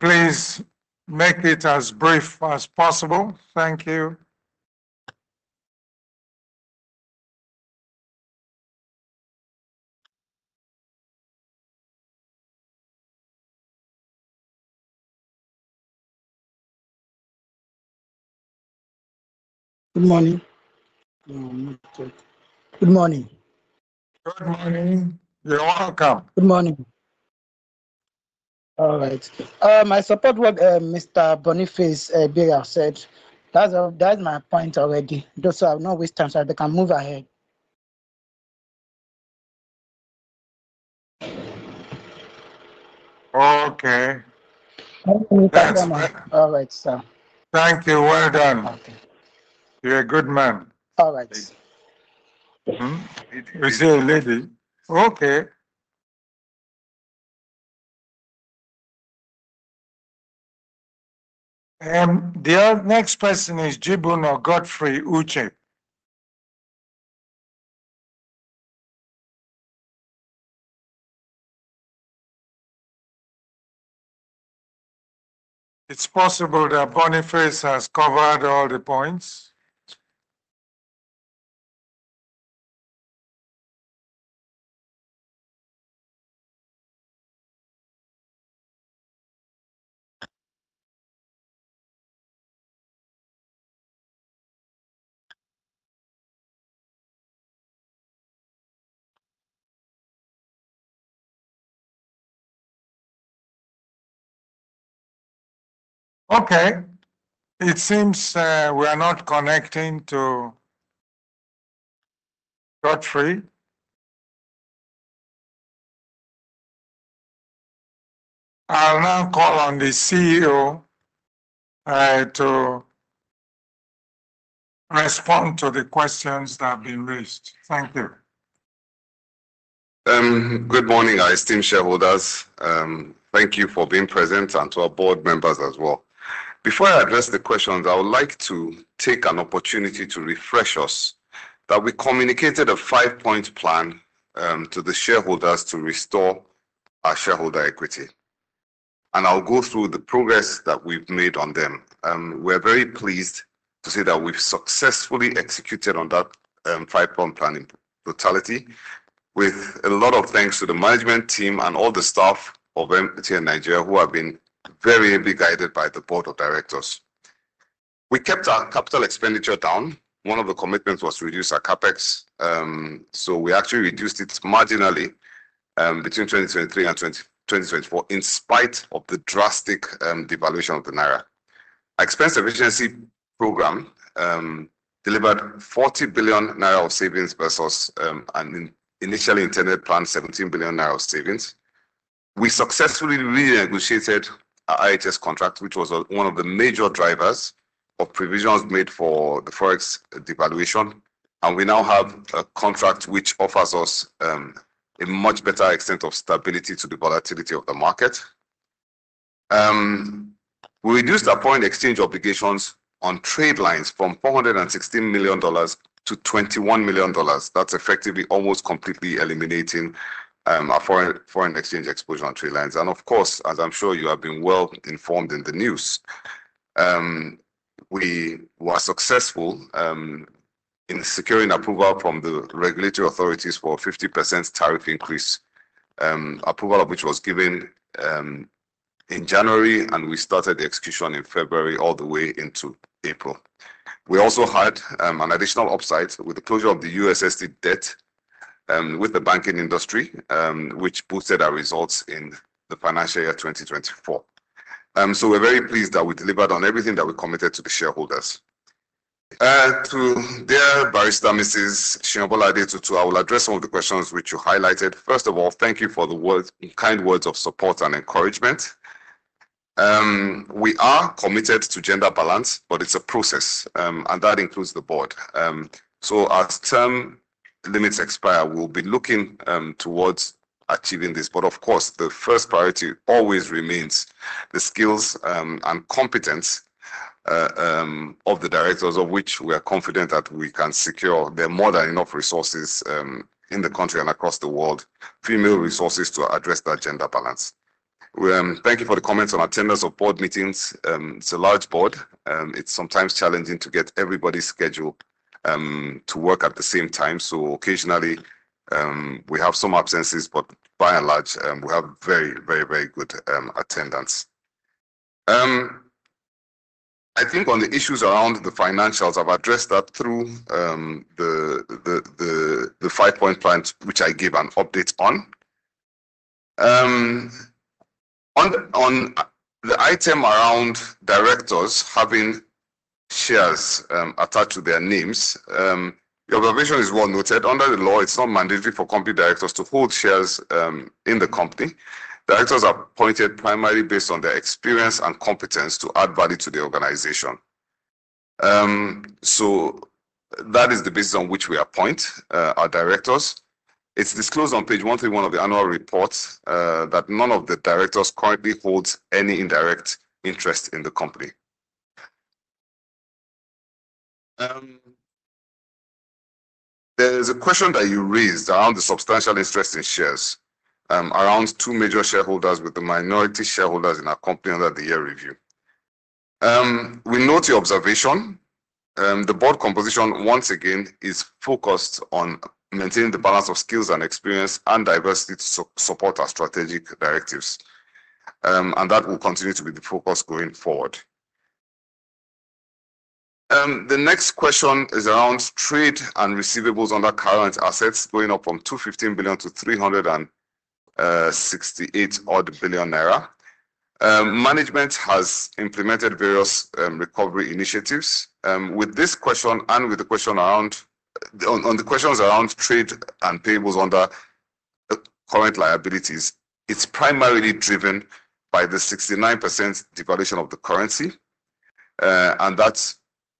Please make it as brief as possible. Thank you. Good morning. Good morning. Good morning. You are welcome. Good morning. All right. My support work, Mr. Boniface Okezie said, that's my point already. Those who have no wisdom, they can move ahead. Okay. Thank you, Chairman. All right, sir. Thank you. Well done. You're a good man. All right. Is there a lady? Okay. The next person is Jibun or Godfrey Uche. It's possible that Boniface has covered all the points. Okay. It seems we are not connecting to Godfrey. I'll now call on the CEO to respond to the questions that have been raised. Thank you. Good morning, guys. Team shareholders, thank you for being present and to our board members as well. Before I address the questions, I would like to take an opportunity to refresh us that we communicated a five-point plan to the shareholders to restore our shareholder equity. And I'll go through the progress that we've made on them. We're very pleased to say that we've successfully executed on that five-point plan in totality, with a lot of thanks to the management team and all the staff of MTN Nigeria who have been very heavily guided by the board of directors. We kept our capital expenditure down. One of the commitments was to reduce our CapEx. We actually reduced it marginally between 2023 and 2024 in spite of the drastic devaluation of the Naira. Our expense efficiency program delivered 40 billion naira of savings versus an initially intended plan, 17 billion naira of savings. We successfully renegotiated our IHS contract, which was one of the major drivers of provisions made for the Forex devaluation. We now have a contract which offers us a much better extent of stability to the volatility of the market. We reduced our foreign exchange obligations on trade lines from $416 million to $21 million. That is effectively almost completely eliminating our foreign exchange exposure on trade lines. Of course, as I am sure you have been well informed in the news, we were successful in securing approval from the regulatory authorities for a 50% tariff increase, approval of which was given in January, and we started the execution in February all the way into April. We also had an additional upside with the closure of the USSD debt with the banking industry, which boosted our results in the financial year 2024. We are very pleased that we delivered on everything that we committed to the shareholders. To dear Barrister Mrs. Shinobo Ladelutu, I will address some of the questions which you highlighted. First of all, thank you for the kind words of support and encouragement. We are committed to gender balance, but it's a process, and that includes the board. As term limits expire, we'll be looking towards achieving this. Of course, the first priority always remains the skills and competence of the directors, of which we are confident that we can secure. There are more than enough resources in the country and across the world, female resources to address that gender balance. Thank you for the comments on attendance of board meetings. It's a large board. It's sometimes challenging to get everybody's schedule to work at the same time. Occasionally, we have some absences, but by and large, we have very, very, very good attendance. I think on the issues around the financials, I've addressed that through the five-point plan, which I gave an update on. On the item around directors having shares attached to their names, your provision is well noted. Under the law, it is not mandatory for company directors to hold shares in the company. Directors are appointed primarily based on their experience and competence to add value to the organization. That is the basis on which we appoint our directors. It is disclosed on page 131 of the annual report that none of the directors currently holds any indirect interest in the company. There is a question that you raised around the substantial interest in shares, around two major shareholders with the minority shareholders in our company under the year review. We note your observation. The board composition, once again, is focused on maintaining the balance of skills and experience and diversity to support our strategic directives. That will continue to be the focus going forward. The next question is around trade and receivables under current assets going up from $215 million to 368 billion naira. Management has implemented various recovery initiatives. With this question and with the question around trade and payables under current liabilities, it's primarily driven by the 69% devaluation of the currency. That's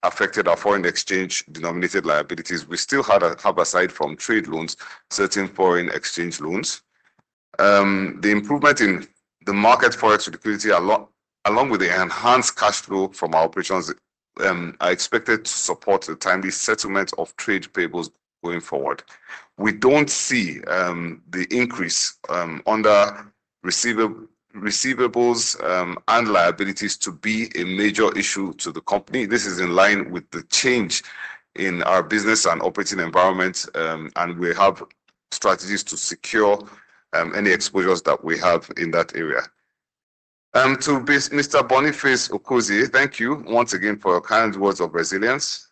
affected our foreign exchange denominated liabilities. We still have, aside from trade loans, certain foreign exchange loans. The improvement in the market forex liquidity, along with the enhanced cash flow from our operations, are expected to support the timely settlement of trade payables going forward. We don't see the increase under receivables and liabilities to be a major issue to the company. This is in line with the change in our business and operating environment, and we have strategies to secure any exposures that we have in that area. To Mr. Boniface Okezie, thank you once again for your kind words of resilience.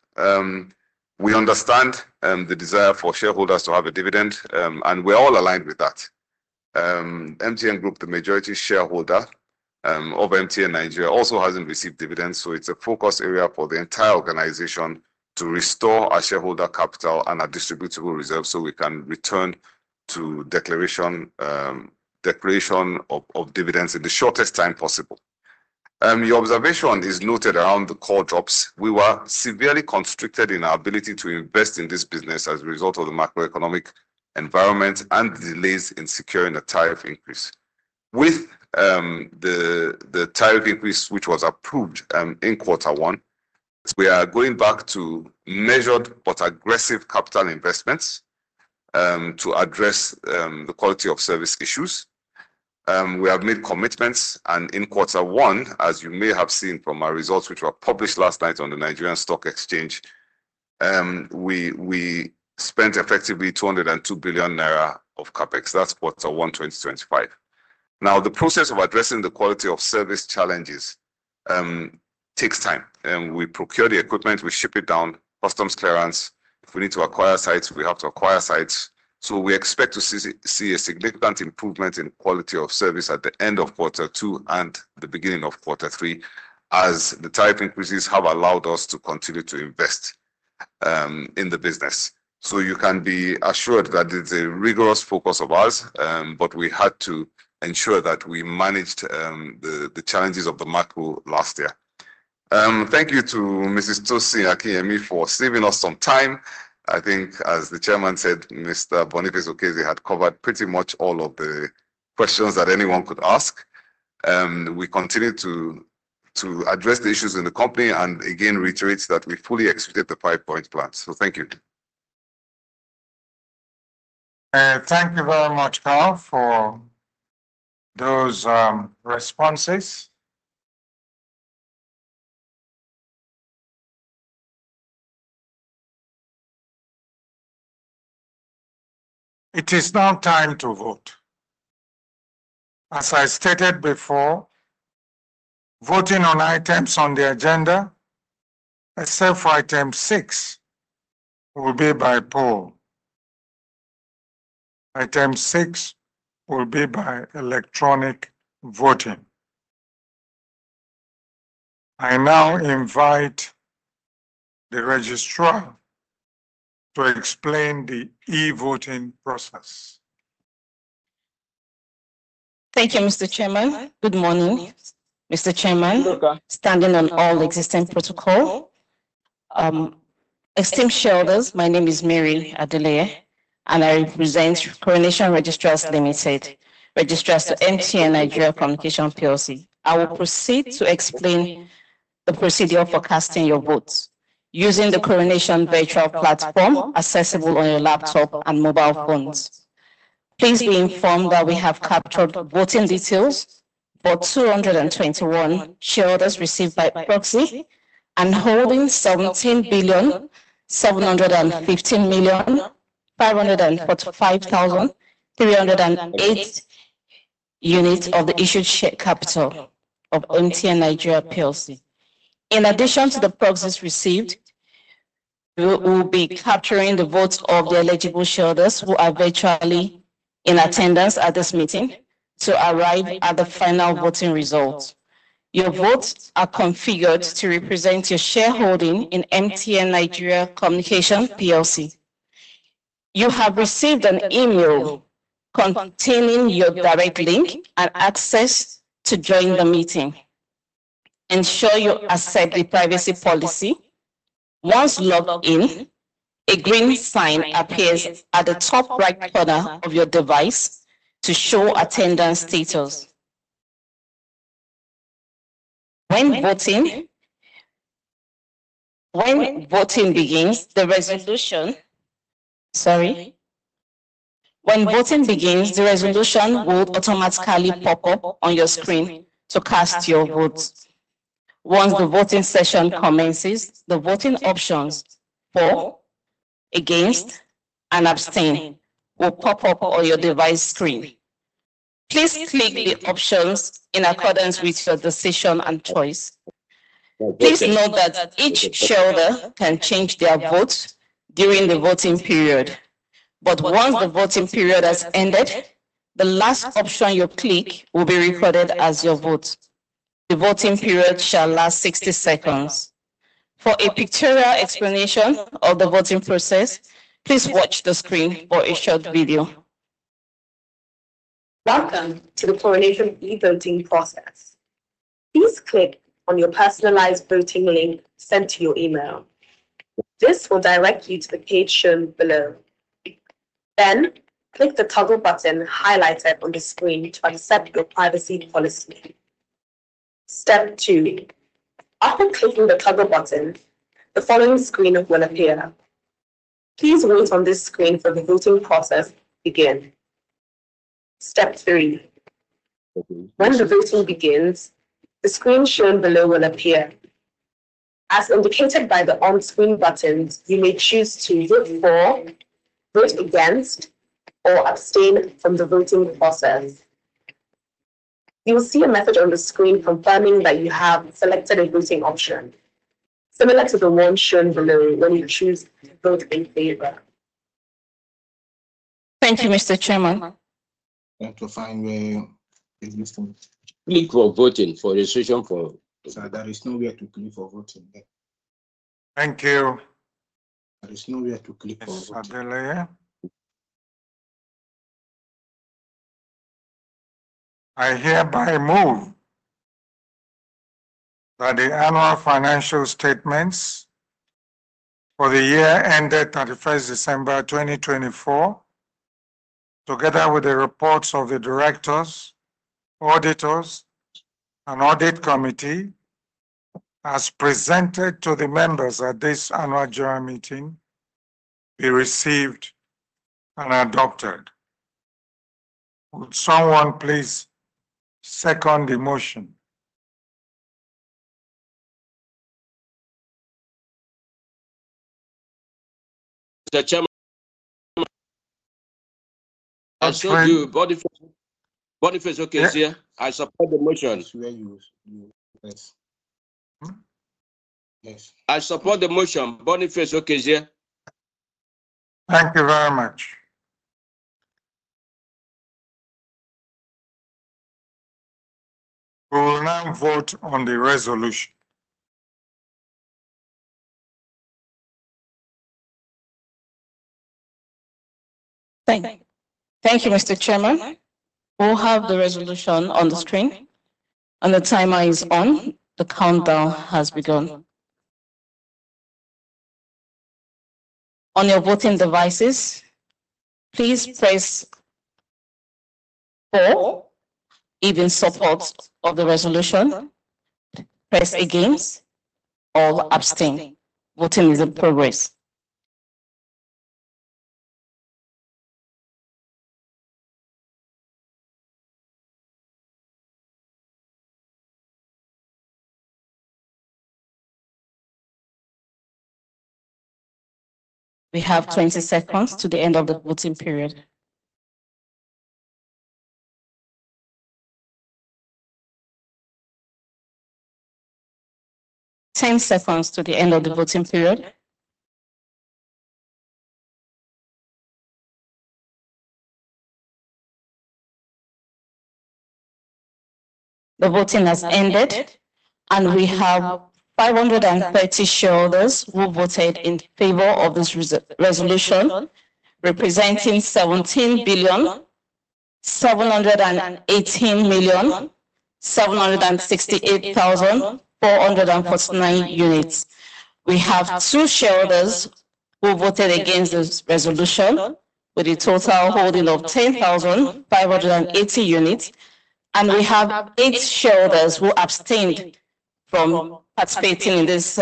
We understand the desire for shareholders to have a dividend, and we're all aligned with that. MTN Group, the majority shareholder of MTN Nigeria, also hasn't received dividends. It is a focus area for the entire organization to restore our shareholder capital and our distributable reserves so we can return to declaration of dividends in the shortest time possible. Your observation is noted around the core drops. We were severely constricted in our ability to invest in this business as a result of the macroeconomic environment and delays in securing a tariff increase. With the tariff increase, which was approved in quarter one, we are going back to measured but aggressive capital investments to address the quality of service issues. We have made commitments, and in quarter one, as you may have seen from our results, which were published last night on the Nigerian Exchange Limited, we spent effectively 202 billion naira of CapEx. That is quarter one, 2025. Now, the process of addressing the quality of service challenges takes time. We procure the equipment, we ship it down, customs clearance. If we need to acquire sites, we have to acquire sites. We expect to see a significant improvement in quality of service at the end of quarter two and the beginning of quarter three, as the tariff increases have allowed us to continue to invest in the business. You can be assured that it is a rigorous focus of ours, but we had to ensure that we managed the challenges of the macro last year. Thank you to Mrs. Tosin Adeyemi for saving us some time. I think, as the Chairman said, Mr. Boniface Okezie had covered pretty much all of the questions that anyone could ask. We continue to address the issues in the company and again reiterate that we fully executed the five-point plan. Thank you. Thank you very much, Karl, for those responses. It is now time to vote. As I stated before, voting on items on the agenda, except for item six, will be by poll. Item six will be by electronic voting. I now invite the registrar to explain the e-voting process. Thank you, Mr. Chairman. Good morning. Mr. Chairman, standing on all existing protocol, esteemed shareholders, my name is Mary Adewale, and I represent Coronation Registrars Limited, registrar to MTN Nigeria Communications PLC. I will proceed to explain the procedure for casting your votes using the Coronation Virtual Platform accessible on your laptop and mobile phones. Please be informed that we have captured voting details for 221 shareholders received by proxy and holding 17,715,545,308 units of the issued share capital of MTN Nigeria Communications. In addition to the proxies received, we will be capturing the votes of the eligible shareholders who are virtually in attendance at this meeting to arrive at the final voting results. Your votes are configured to represent your shareholding in MTN Nigeria Communications. You have received an email containing your direct link and access to join the meeting. Ensure you accept the privacy policy. Once logged in, a green sign appears at the top right corner of your device to show attendance status. When voting begins, the resolution—sorry. When voting begins, the resolution will automatically pop up on your screen to cast your votes. Once the voting session commences, the voting options for, against, and abstain will pop up on your device screen. Please click the options in accordance with your decision and choice. Please note that each shareholder can change their vote during the voting period. Once the voting period has ended, the last option you click will be recorded as your vote. The voting period shall last 60 seconds. For a pictorial explanation of the voting process, please watch the screen for a short video. Welcome to the Coronation e-voting process. Please click on your personalized voting link sent to your email. This will direct you to the page shown below. Click the toggle button highlighted on the screen to accept your privacy policy. Step two. After clicking the toggle button, the following screen will appear. Please wait on this screen for the voting process to begin. Step three. When the voting begins, the screen shown below will appear. As indicated by the on-screen buttons, you may choose to vote for, vote against, or abstain from the voting process. You will see a message on the screen confirming that you have selected a voting option, similar to the one shown below when you choose to vote in favor. Thank you, Mr. Chairman. Thank you. I hereby move that the annual financial statements for the year ended 31st December 2024, together with the reports of the directors, auditors, and audit committee, as presented to the members at this annual general meeting, be received and adopted. Would someone please second the motion? Mr. Chairman. I'll show you Boniface Okezie here. I support the motion. Yes. I support the motion. Boniface Okezie here. Thank you very much. We will now vote on the resolution. Thank you. Thank you, Mr. Chairman. We will have the resolution on the screen. The timer is on. The countdown has begun. On your voting devices, please press four if in support of the resolution, press against, or abstain. Voting is in progress. We have 20 seconds to the end of the voting period. 10 seconds to the end of the voting period. The voting has ended, and we have 530 shareholders who voted in favor of this resolution, representing 17,718,768,449 units. We have two shareholders who voted against this resolution, with a total holding of 10,580 units. We have eight shareholders who abstained from participating in this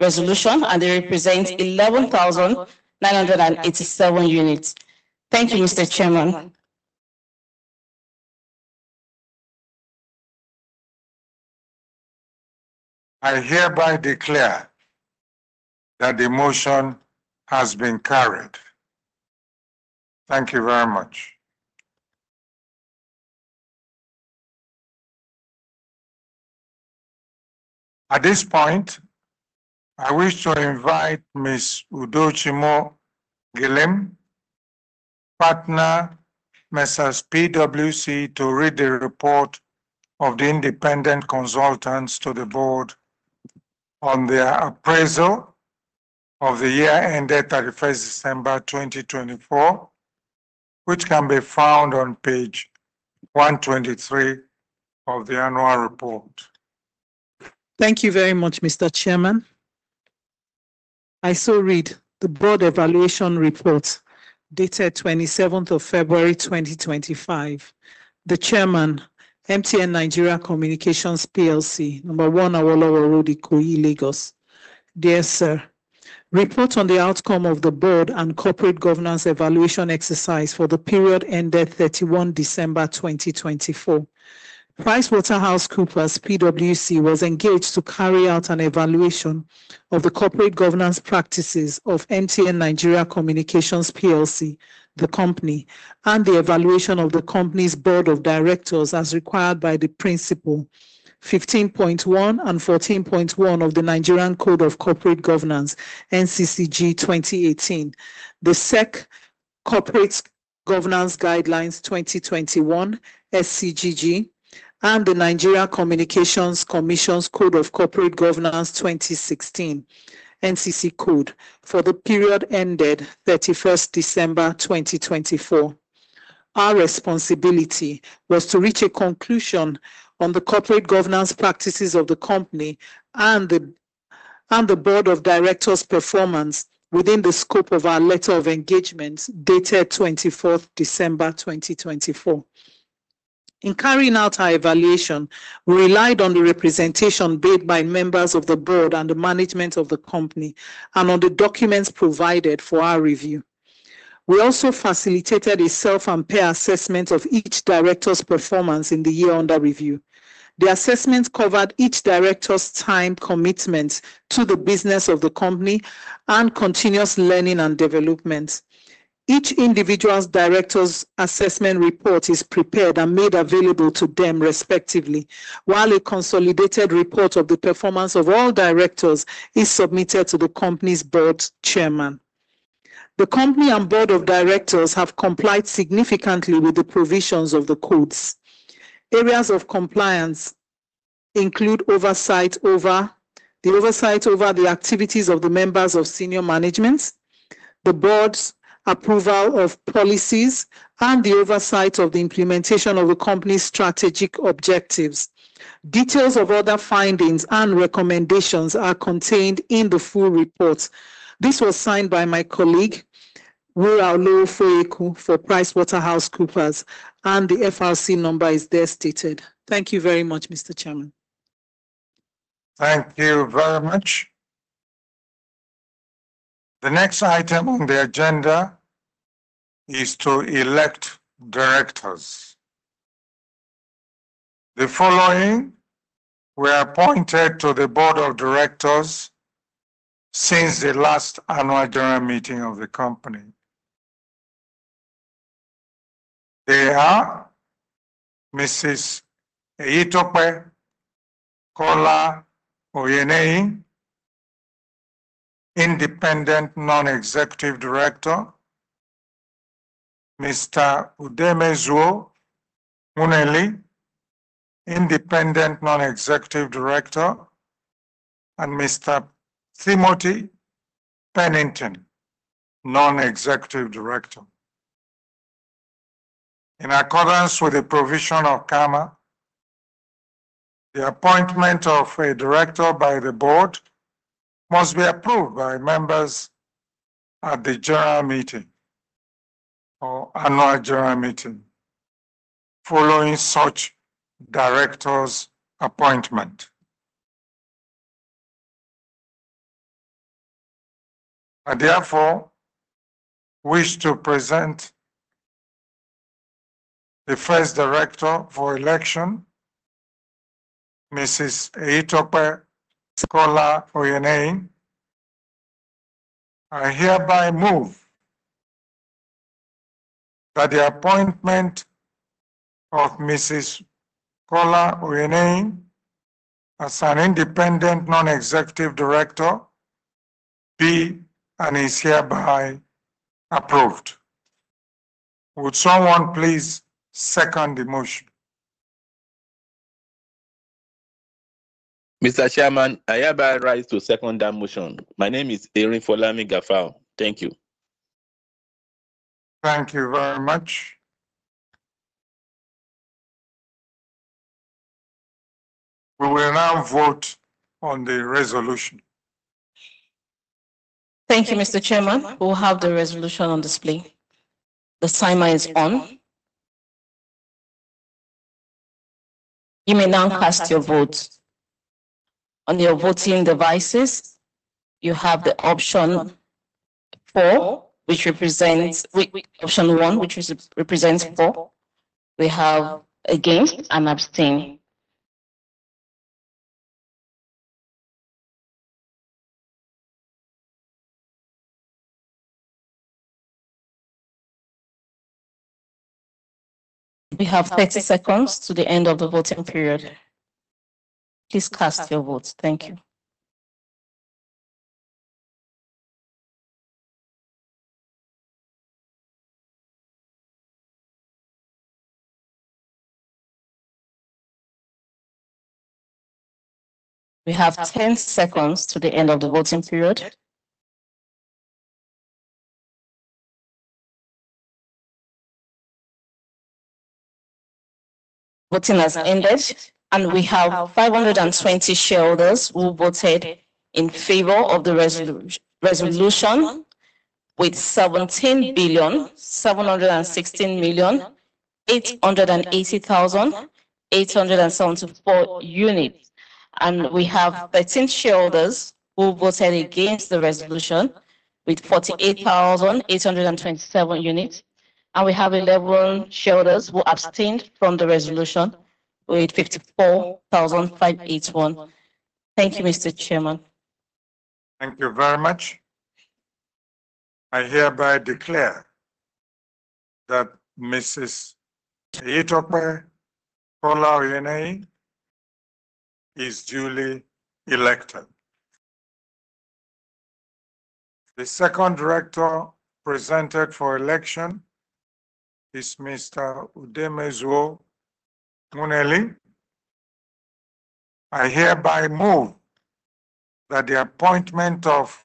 resolution, and they represent 11,987 units. Thank you, Mr. Chairman. I hereby declare that the motion has been carried. Thank you very much.At this point, I wish to invite Ms. Udochi Mougilim, partner, Mrs. PwC, to read the report of the independent consultants to the board on their appraisal of the year ended 31st December 2024, which can be found on page 123 of the annual report. Thank you very much, Mr. Chairman. I so read the board evaluation report dated 27th of February 2025. The Chairman, MTN Nigeria Communications PLC, Number One, Awolowo Road, Ikoyi, Lagos. Dear Sir, report on the outcome of the board and corporate governance evaluation exercise for the period ended 31st December 2024. PricewaterhouseCoopers, PwC, was engaged to carry out an evaluation of the corporate governance practices of MTN Nigeria Communications PLC, the company, and the evaluation of the company's board of directors as required by principle 15.1 and 14.1 of the Nigerian Code of Corporate Governance, NCCG 2018, the SEC Corporate Governance Guidelines 2021, SCGG, and the Nigerian Communications Commission's Code of Corporate Governance 2016, NCC Code, for the period ended 31 December 2024. Our responsibility was to reach a conclusion on the corporate governance practices of the company and the board of directors' performance within the scope of our letter of engagement dated 24 December 2024. In carrying out our evaluation, we relied on the representation made by members of the board and the management of the company and on the documents provided for our review. We also facilitated a self-impaired assessment of each director's performance in the year under review. The assessment covered each director's time commitment to the business of the company and continuous learning and development. Each individual's director's assessment report is prepared and made available to them respectively, while a consolidated report of the performance of all directors is submitted to the company's board chairman. The company and board of directors have complied significantly with the provisions of the codes. Areas of compliance include oversight over the activities of the members of senior management, the board's approval of policies, and the oversight of the implementation of the company's strategic objectives. Details of other findings and recommendations are contained in the full report. This was signed by my colleague, Rural Law Foyer for PricewaterhouseCoopers, and the FRC number is there stated. Thank you very much, Mr. Chairman. Thank you very much. The next item on the agenda is to elect directors. The following were appointed to the board of directors since the last annual general meeting of the company. They are Mrs. Eyitope Kola-Oyeneyin, independent non-executive director, Mr. Udemezuo Nwuneli, independent non-executive director, and Mr. Timothy Pennington, non-executive director. In accordance with the provision of CAMA, the appointment of a director by the board must be approved by members at the general meeting or annual general meeting following such director's appointment. I therefore wish to present the first director for election, Mrs. Eyitope Kola-Oyeneyin. I hereby move that the appointment of Mrs. Kola-Oyeneyin as an independent non-executive director be and is hereby approved. Would someone please second the motion? Mr. Chairman, I hereby rise to second that motion. My name is Erin Folami Gafao. Thank you. Thank you very much. We will now vote on the resolution. Thank you, Mr. Chairman. We will have the resolution on display. The timer is on. You may now cast your vote. On your voting devices, you have the option four, which represents option one, which represents four. We have against and abstain. We have 30 seconds to the end of the voting period. Please cast your vote. Thank you. We have 10 seconds to the end of the voting period. Voting has ended, and we have 520 shareholders who voted in favor of the resolution with 17,716,880,874 units. We have 13 shareholders who voted against the resolution with 48,827 units. We have 11 shareholders who abstained from the resolution with 54,581. Thank you, Mr. Chairman. Thank you very much. I hereby declare that Mrs. Eyitope Kola-Oyeneyin is duly elected. The second director presented for election is Mr. Udemezuo Nwuneli. I hereby move that the appointment of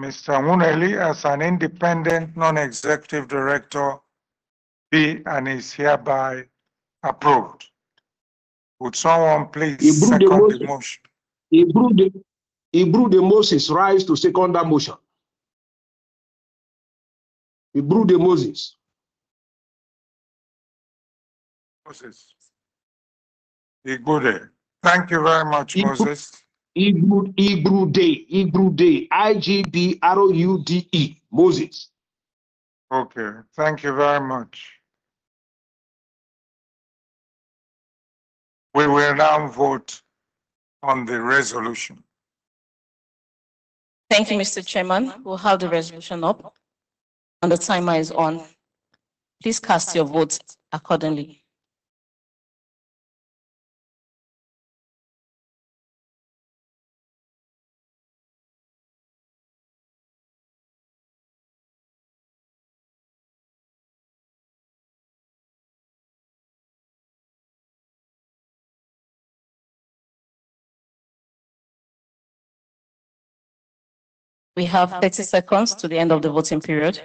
Mr. Munele as an independent non-executive director be and is hereby approved. Would someone please second the motion? Ebru de Moses rise to second that motion. Ebru de Moses. Moses. Igbude. Thank you very much, Moses. Igbude. Igbude. I-G-B-R-U-D-E. Moses. Okay. Thank you very much. We will now vote on the resolution. Thank you, Mr. Chairman. We'll have the resolution up, and the timer is on. Please cast your votes accordingly. We have 30 seconds to the end of the voting period.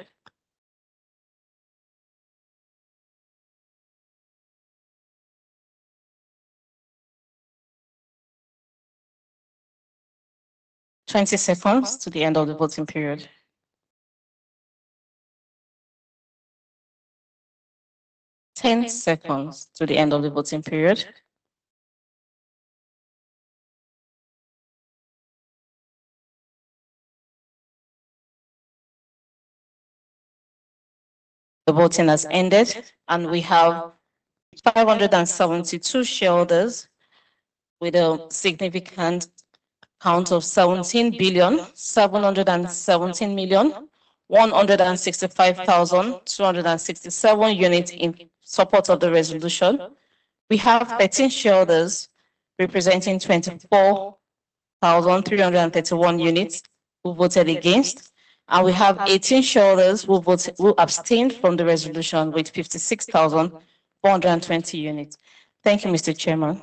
20 seconds to the end of the voting period. 10 seconds to the end of the voting period. The voting has ended, and we have 572 shareholders with a significant count of 17,717,165,267 units in support of the resolution. We have 13 shareholders representing 24,331 units who voted against, and we have 18 shareholders who abstained from the resolution with 56,420 units. Thank you, Mr. Chairman.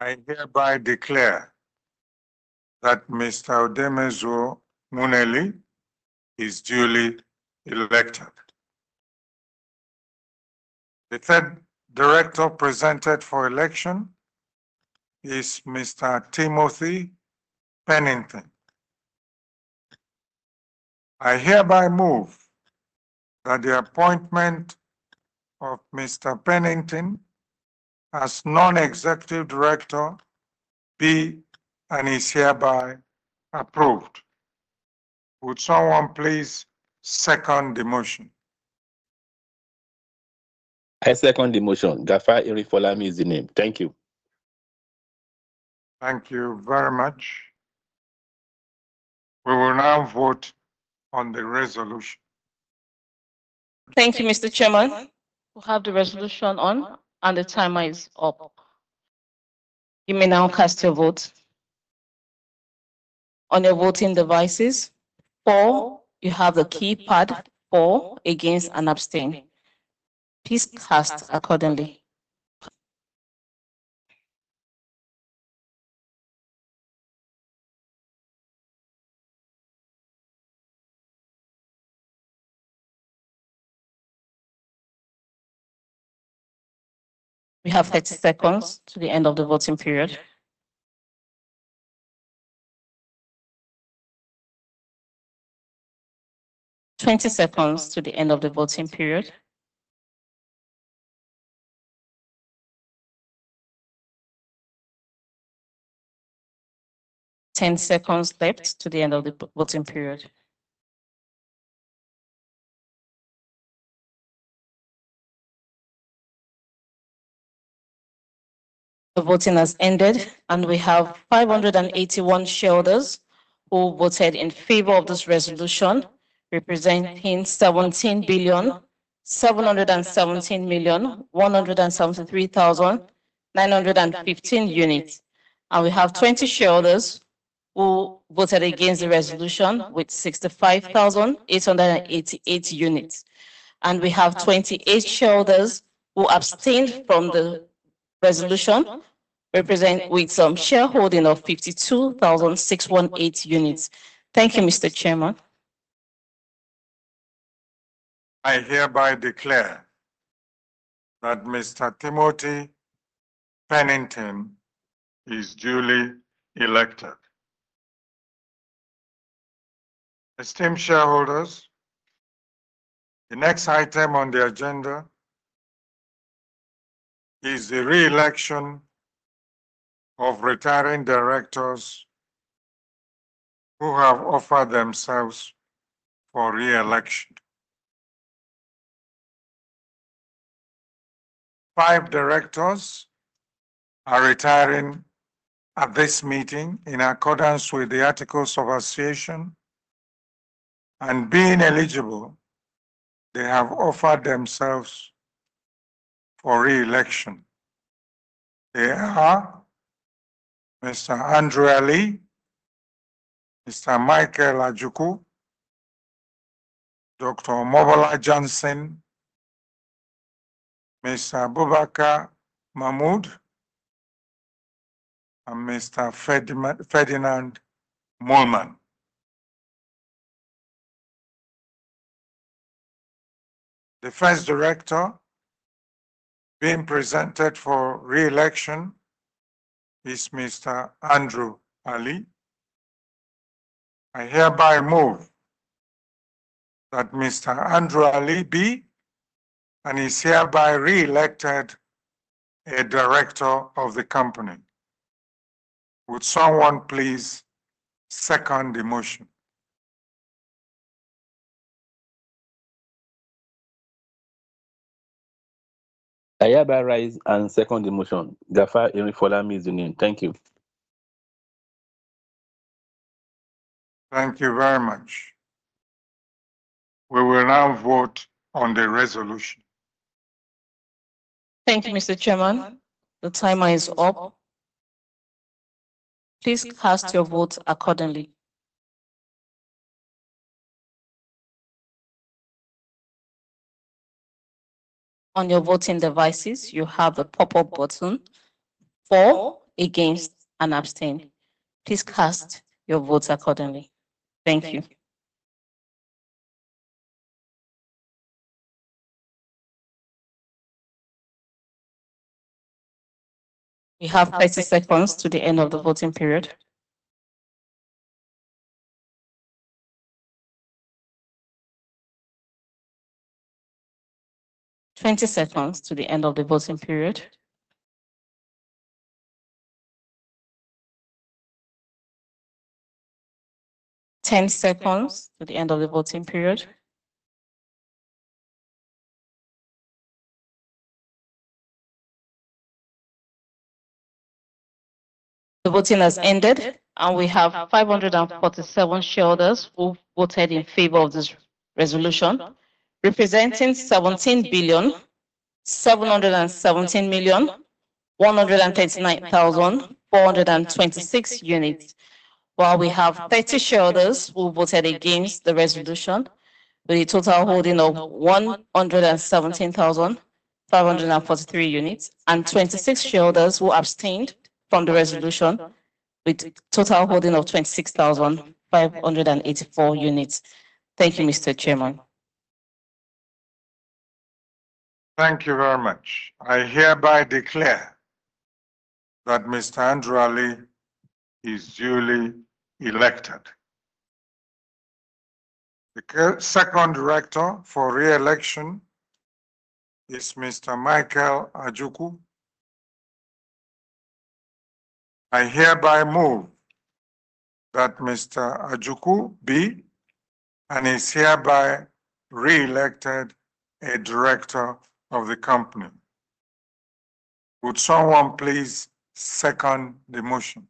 I hereby declare that Mr. Udemezuo Nwuneli is duly elected. The third director presented for election is Mr. Timothy Pennington. I hereby move that the appointment of Mr. Pennington as Non-Executive Director be and is hereby approved. Would someone please second the motion? I second the motion. Gafa Eri Folami is the name. Thank you. Thank you very much. We will now vote on the resolution. Thank you, Mr. Chairman. We'll have the resolution on, and the timer is up. You may now cast your vote. On your voting devices, for, you have the keypad for, against, and abstain. Please cast accordingly. We have 30 seconds to the end of the voting period. 20 seconds to the end of the voting period. 10 seconds left to the end of the voting period. The voting has ended, and we have 581 shareholders who voted in favor of this resolution representing 17,717,173,915 units. We have 20 shareholders who voted against the resolution with 65,888 units. We have 28 shareholders who abstained from the resolution representing some shareholding of 52,618 units. Thank you, Mr. Chairman. I hereby declare that Mr. Timothy Pennington is duly elected. Esteemed shareholders, the next item on the agenda is the re-election of retiring directors who have offered themselves for re-election. Five directors are retiring at this meeting in accordance with the articles of association, and being eligible, they have offered themselves for re-election. They are Mr. Andrew Alli, Mr. Michael Ajukwu, Dr. Omobola Johnson, Mr. Boubacar B. Mahmoud, and Mr. Ferdinand Moolman. The first director being presented for re-election is Mr. Andrew Alli. I hereby move that Mr.Andrew Ali be and is hereby re-elected a director of the company. Would someone please second the motion? I hereby rise and second the motion. Gafa Eri Folami is in name. Thank you. Thank you very much. We will now vote on the resolution. Thank you, Mr. Chairman. The timer is up. Please cast your vote accordingly. On your voting devices, you have the pop-up button for against and abstain. Please cast your votes accordingly. Thank you. We have 30 seconds to the end of the voting period. 20 seconds to the end of the voting period. 10 seconds to the end of the voting period. The voting has ended, and we have 547 shareholders who voted in favor of this resolution representing 17,717,139,426 units, while we have 30 shareholders who voted against the resolution with a total holding of 117,543 units and 26 shareholders who abstained from the resolution with a total holding of 26,584 units. Thank you, Mr. Chairman. Thank you very much. I hereby declare that Mr. Andrew Alli is duly elected. The second director for re-election is Mr. Michael Ajukwu. I hereby move that Mr. Ajukwu be and is hereby re-elected a director of the company. Would someone please second the motion?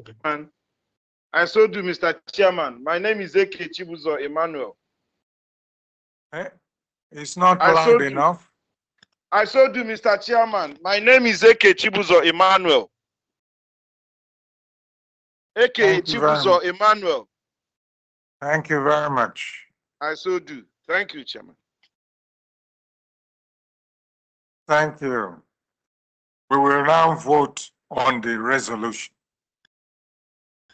Okay. I so do, Mr. Chairman. My name is AKE Chibuzo Emmanuel. It's not allowed enough. I so do, Mr. Chairman. My name is AKE Chibuzo Emmanuel. AKE Chibuzo Emmanuel. Thank you very much. I so do. Thank you, Chairman. Thank you. We will now vote on the resolution.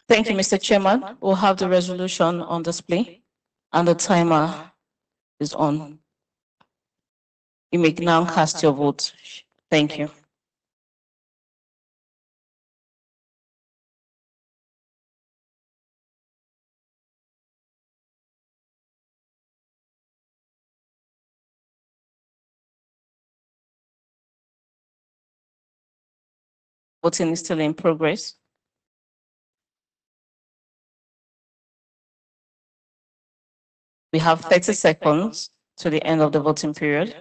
Thank you, Mr. Chairman. We'll have the resolution on display, and the timer is on. You may now cast your vote. Thank you. Voting is still in progress. We have 30 seconds to the end of the voting period.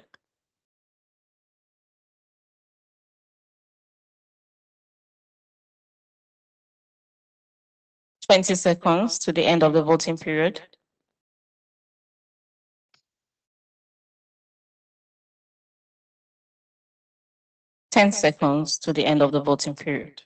20 seconds to the end of the voting period. 10 seconds to the end of the voting period.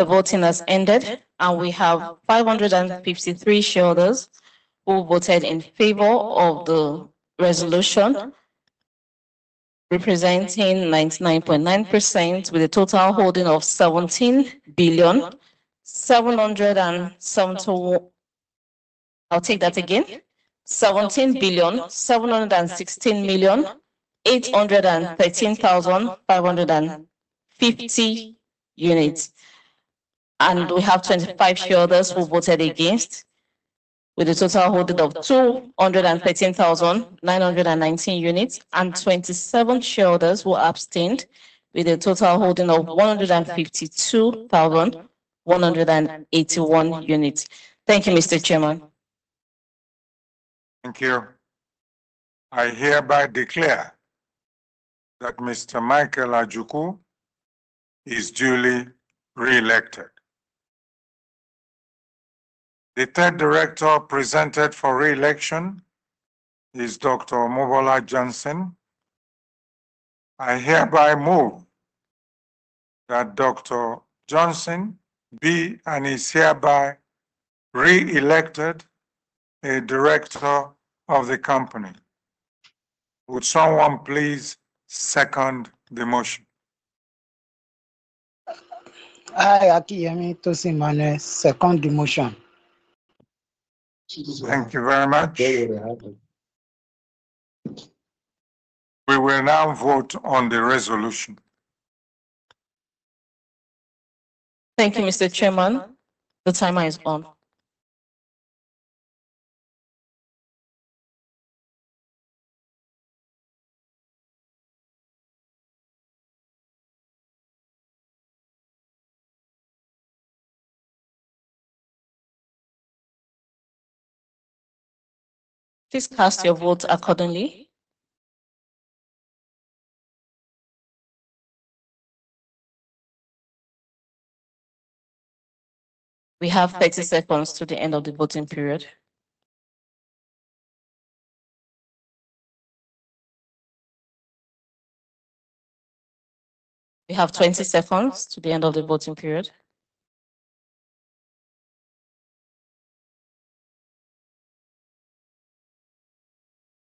The voting has ended, and we have 553 shareholders who voted in favor of the resolution representing 99.9% with a total holding of 17,716,813,550 units. And we have 25 shareholders who voted against with a total holding of 213,919 units, and 27 shareholders who abstained with a total holding of 152,181 units. Thank you, Mr. Chairman. Thank you. I hereby declare that Mr. Michael Ajukwu is duly re-elected. The third director presented for re-election is Dr. Omobola Johnson. I hereby move that Dr. Johnson be and is hereby re-elected a director of the company. Would someone please second the motion? I acquiesce to second the motion. Thank you very much. We will now vote on the resolution. Thank you, Mr. Chairman. The timer is on. Please cast your vote accordingly. We have 30 seconds to the end of the voting period. We have 20 seconds to the end of the voting period.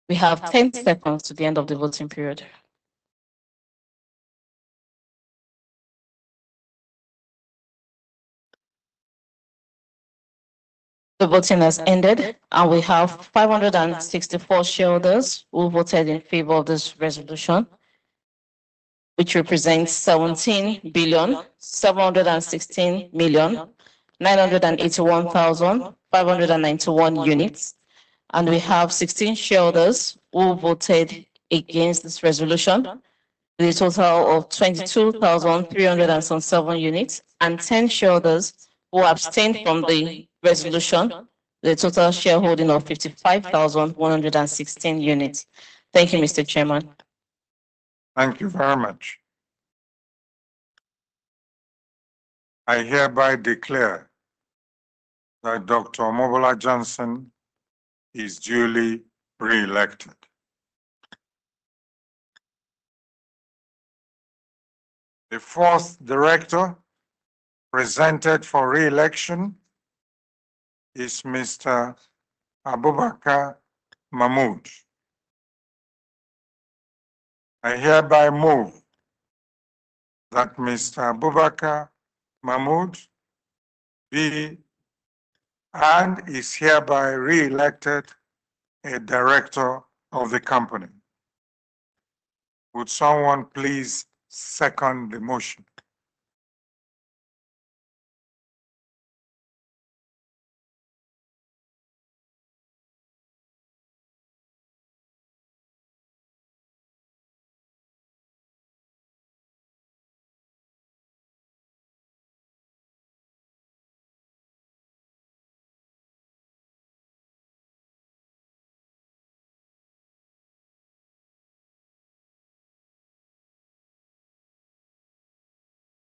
We have 10 seconds to the end of the voting period. The voting has ended, and we have 564 shareholders who voted in favor of this resolution, which represents 17,716,981,591 units. And we have 16 shareholders who voted against this resolution with a total of 22,307 units and 10 shareholders who abstained from the resolution, with a total shareholding of 55,116 units. Thank you, Mr. Chairman. Thank you very much. I hereby declare that Dr. Mobola Johnson is duly re-elected. The fourth director presented for re-election is Mr. Boubacar Mahmoud. I hereby move that Mr. Boubacar Mahmoud be and is hereby re-elected a director of the company. Would someone please second the motion?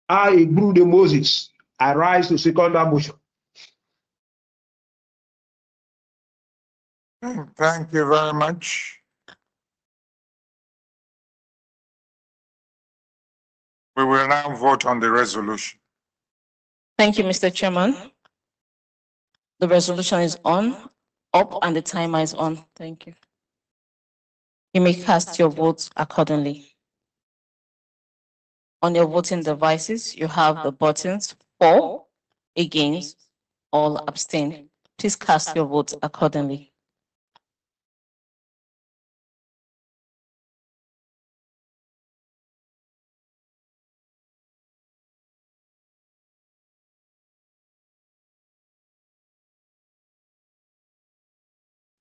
I agree to the motion. I rise to second that motion. Thank you very much. We will now vote on the resolution. Thank you, Mr. Chairman. The resolution is on up, and the timer is on. Thank you. You may cast your vote accordingly. On your voting devices, you have the buttons for, against, or abstain. Please cast your vote accordingly.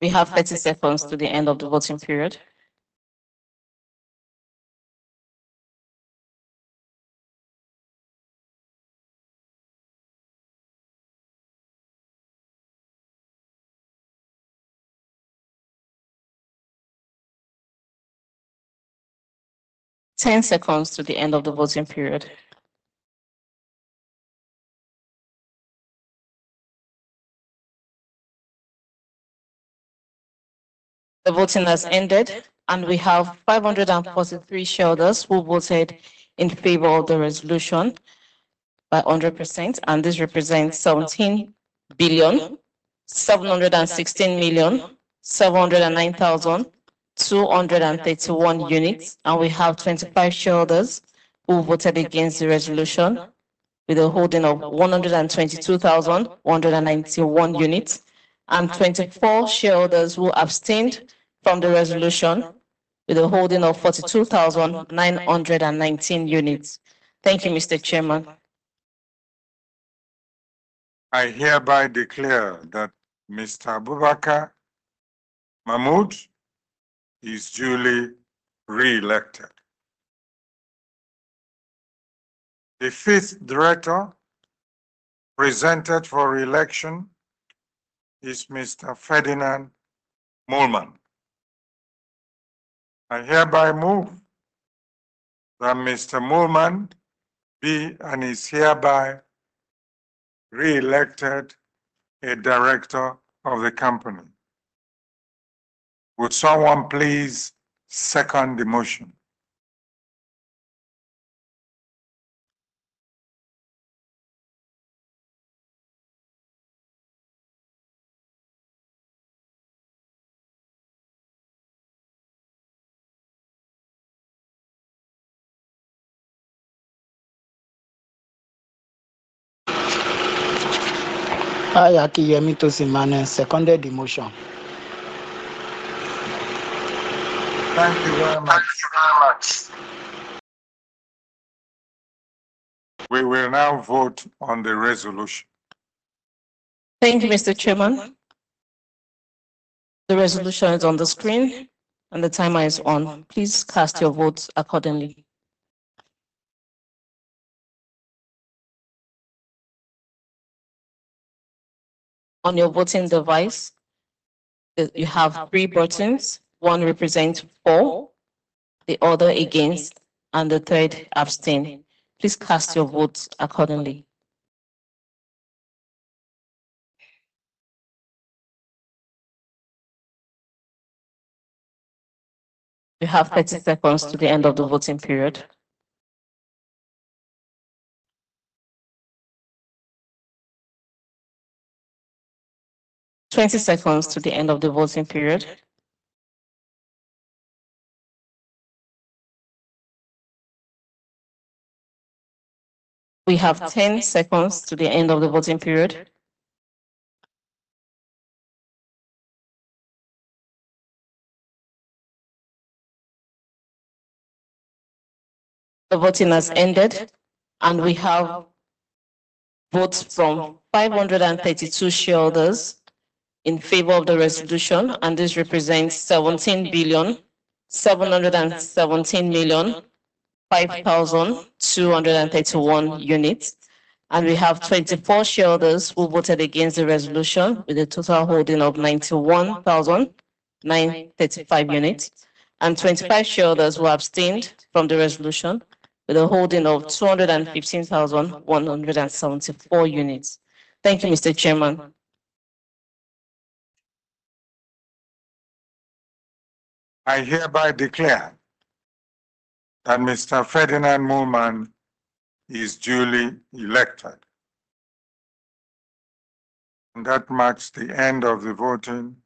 We have 30 seconds to the end of the voting period. 10 seconds to the end of the voting period. The voting has ended, and we have 543 shareholders who voted in favor of the resolution by 100%, and this represents 17,716,709,231 units. We have 25 shareholders who voted against the resolution with a holding of 122,191 units, and 24 shareholders who abstained from the resolution with a holding of 42,919 units. Thank you, Mr. Chairman. I hereby declare that Mr. Boubacar Mahmoud is duly re-elected. The fifth director presented for re-election is Mr. Ferdinand Moolman. I hereby move that Mr. Moolman be and is hereby re-elected a director of the company. Would someone please second the motion? I acquiesce to second the motion. Thank you very much. Thank you very much. We will now vote on the resolution. Thank you, Mr. Chairman. The resolution is on the screen, and the timer is on. Please cast your vote accordingly. On your voting device, you have three buttons. One represents for, the other against, and the third abstain. Please cast your vote accordingly. We have 30 seconds to the end of the voting period. Twenty seconds to the end of the voting period. We have 10 seconds to the end of the voting period. The voting has ended, and we have votes from 532 shareholders in favor of the resolution, and this represents 17,717,523 units. We have 24 shareholders who voted against the resolution with a total holding of 91,935 units, and 25 shareholders who abstained from the resolution with a holding of 215,174 units. Thank you, Mr. Chairman. I hereby declare that Mr. Ferdinand Moolman is duly elected. That marks the end of the voting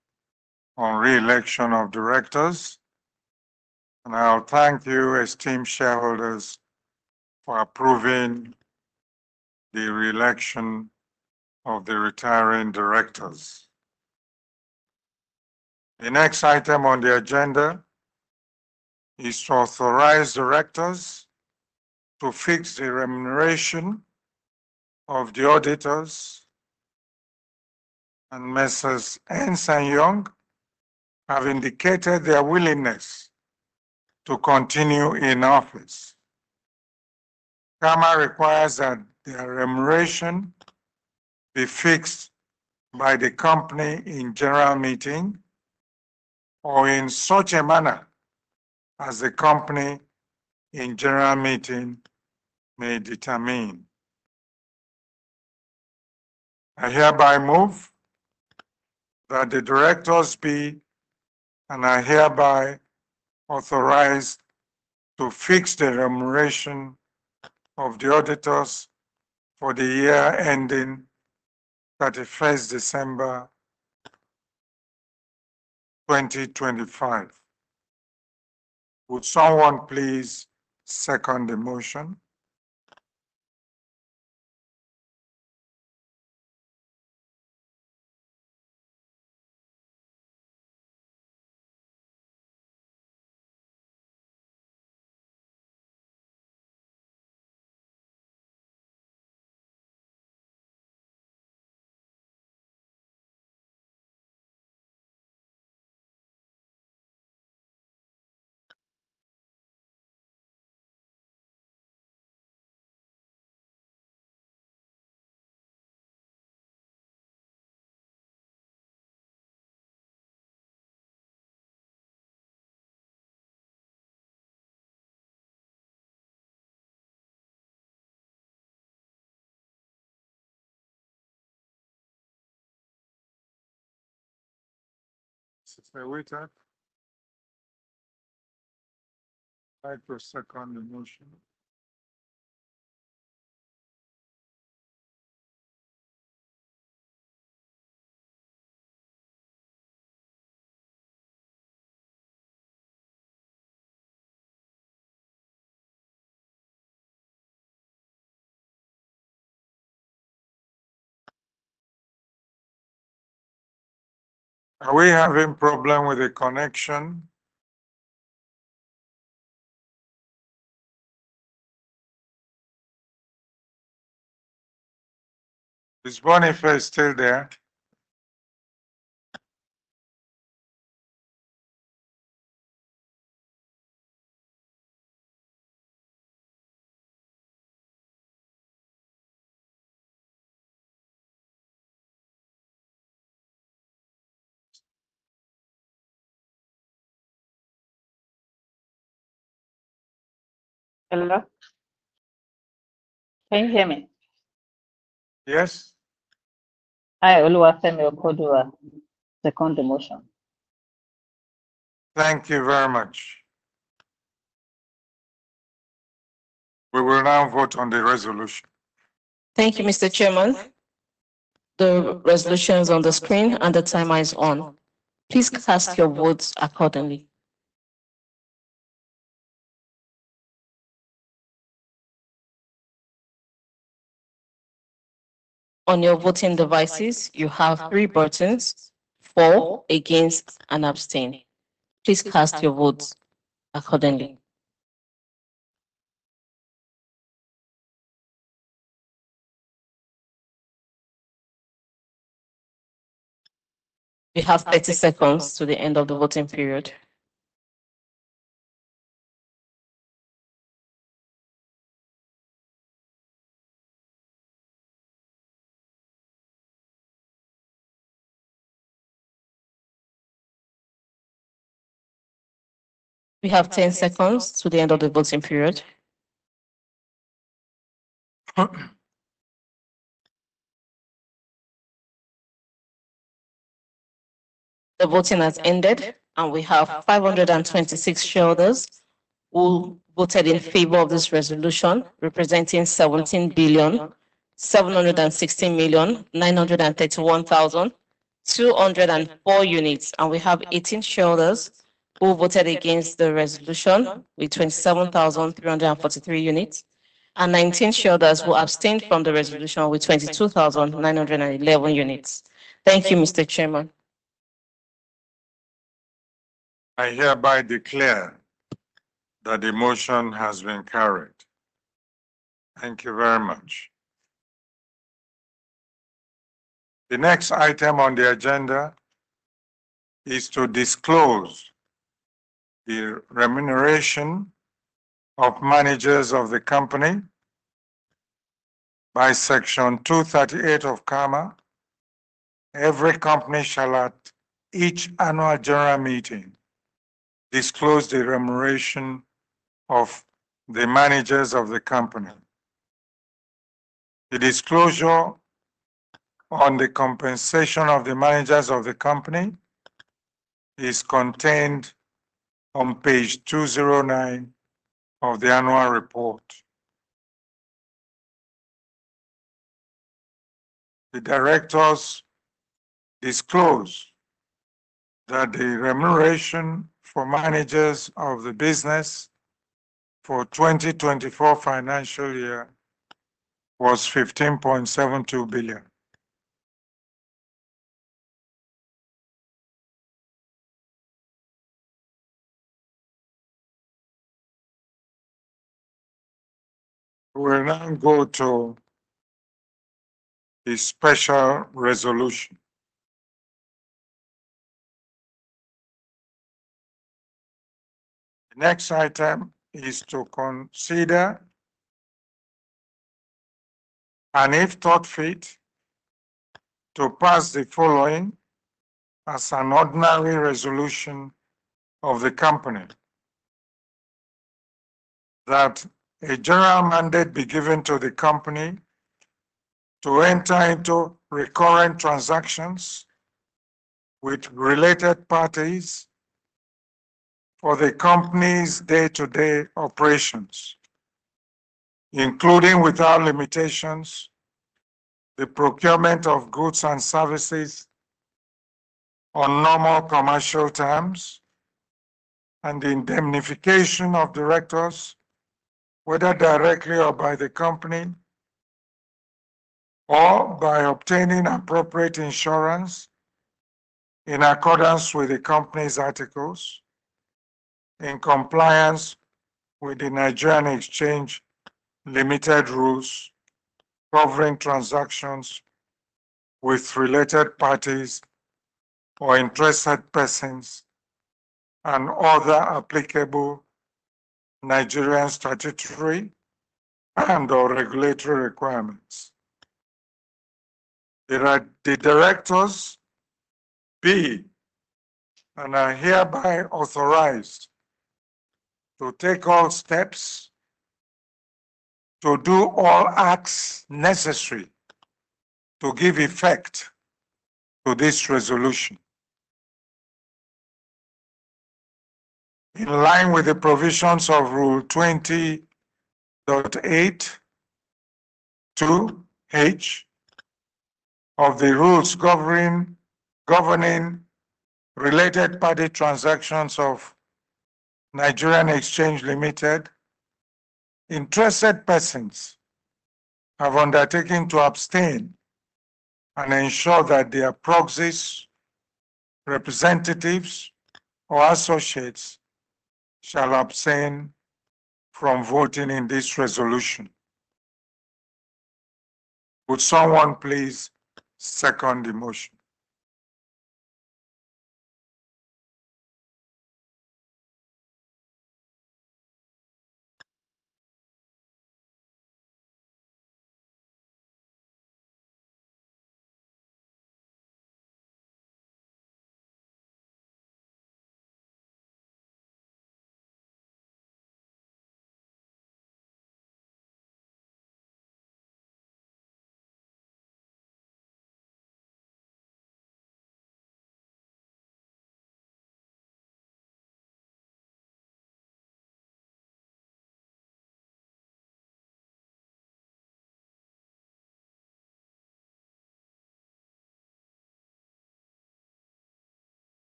on re-election of directors. I thank you, esteemed shareholders, for approving the re-election of the retiring directors. The next item on the agenda is to authorize directors to fix the remuneration of the auditors. Mr. Henson Young have indicated their willingness to continue in office. The requirement is that the remuneration be fixed by the company in general meeting or in such a manner as the company in general meeting may determine. I hereby move that the directors be and I hereby authorize to fix the remuneration of the auditors for the year ending 31 December 2025. Would someone please second the motion? Are we having a problem with the connection? Ms. Boniface, still there? Hello? Can you hear me? Yes. I will attempt to record the second motion. Thank you very much. We will now vote on the resolution. Thank you, Mr. Chairman. The resolution is on the screen, and the timer is on. Please cast your votes accordingly. On your voting devices, you have three buttons: for, against, and abstain. Please cast your votes accordingly. We have 30 seconds to the end of the voting period. We have 10 seconds to the end of the voting period. The voting has ended, and we have 526 shareholders who voted in favor of this resolution, representing 17,716,931,204 units. We have 18 shareholders who voted against the resolution with 27,343 units, and 19 shareholders who abstained from the resolution with 22,911 units. Thank you, Mr. Chairman. I hereby declare that the motion has been carried. Thank you very much. The next item on the agenda is to disclose the remuneration of managers of the company by Section 238 of CAMA. Every company shall, at each annual general meeting, disclose the remuneration of the managers of the company. The disclosure on the compensation of the managers of the company is contained on page 209 of the annual report. The directors disclose that the remuneration for managers of the business for the 2024 financial year was NGN 15.72 billion. We will now go to the special resolution. The next item is to consider and, if thought fit, to pass the following as an ordinary resolution of the company: that a general mandate be given to the company to enter into recurrent transactions with related parties for the company's day-to-day operations, including without limitations, the procurement of goods and services on normal commercial terms, and the indemnification of directors, whether directly or by the company, or by obtaining appropriate insurance in accordance with the company's articles, in compliance with the Nigerian Exchange Limited Rules, covering transactions with related parties or interested persons and other applicable Nigerian statutory and/or regulatory requirements. The directors be and are hereby authorized to take all steps to do all acts necessary to give effect to this resolution. In line with the provisions of Rule 20.82H of the rules governing related party transactions of Nigerian Exchange Limited, interested persons have undertaken to abstain and ensure that their proxies, representatives, or associates shall abstain from voting in this resolution. Would someone please second the motion?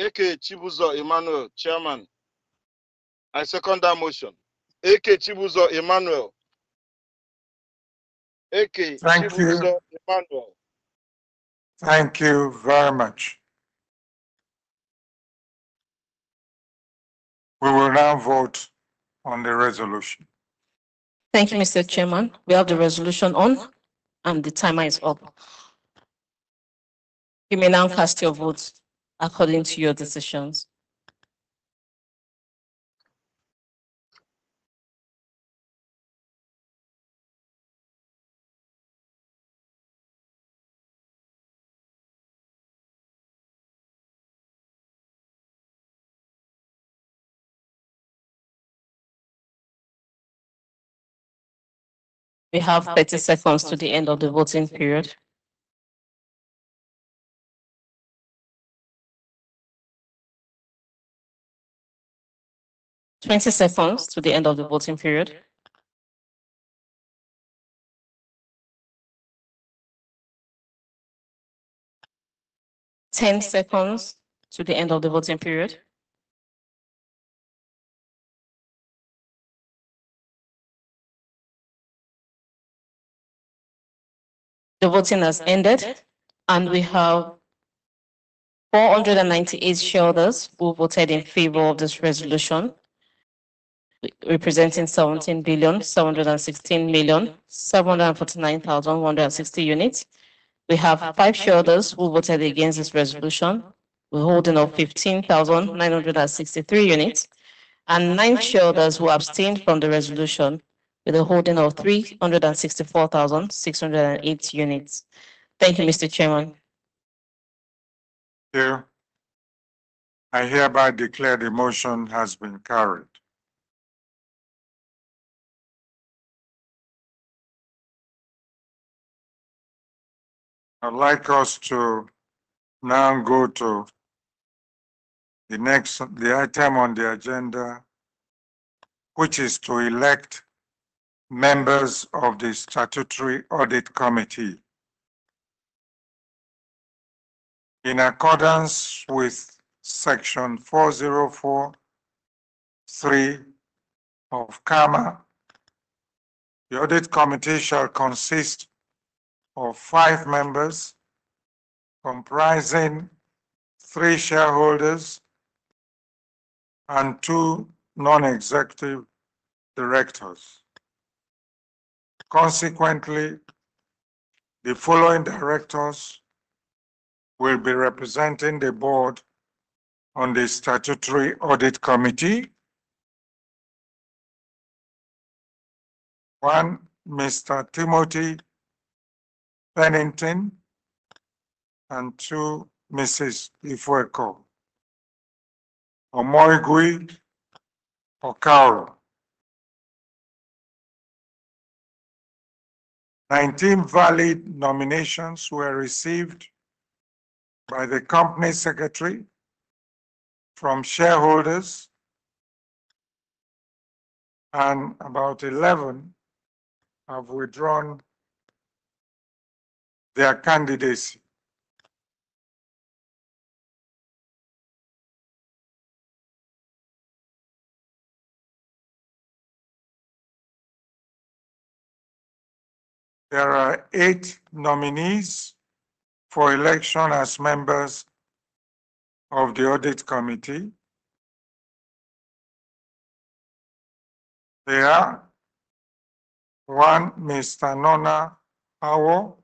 AKE Tivuzo Emmanuel, Chairman. I second that motion. AKE Tivuzo Emmanuel. AKE Tivuzo Emmanuel. Thank you very much. We will now vote on the resolution. Thank you, Mr. Chairman. We have the resolution on, and the timer is off. You may now cast your votes according to your decisions. We have 30 seconds to the end of the voting period. 20 seconds to the end of the voting period. 10 seconds to the end of the voting period. The voting has ended, and we have 498 shareholders who voted in favor of this resolution, representing 17,716,749,160 units. We have five shareholders who voted against this resolution, with a holding of 15,963 units, and nine shareholders who abstained from the resolution, with a holding of 364,608 units. Thank you, Mr. Chairman. Chair, I hereby declare the motion has been carried. I'd like us to now go to the next item on the agenda, which is to elect members of the Statutory Audit Committee. In accordance with Section 404(3) of CAMA, the Audit Committee shall consist of five members comprising three shareholders and two non-executive directors. Consequently, the following directors will be representing the board on the Statutory Audit Committee: one, Mr. Timothy Pennington, and two, Mrs. Ifueko Omoigui Okauru. Nineteen valid nominations were received by the company secretary from shareholders, and about eleven have withdrawn their candidacy. There are eight nominees for election as members of the Audit Committee. They are: one, Ms. Nona Awoh;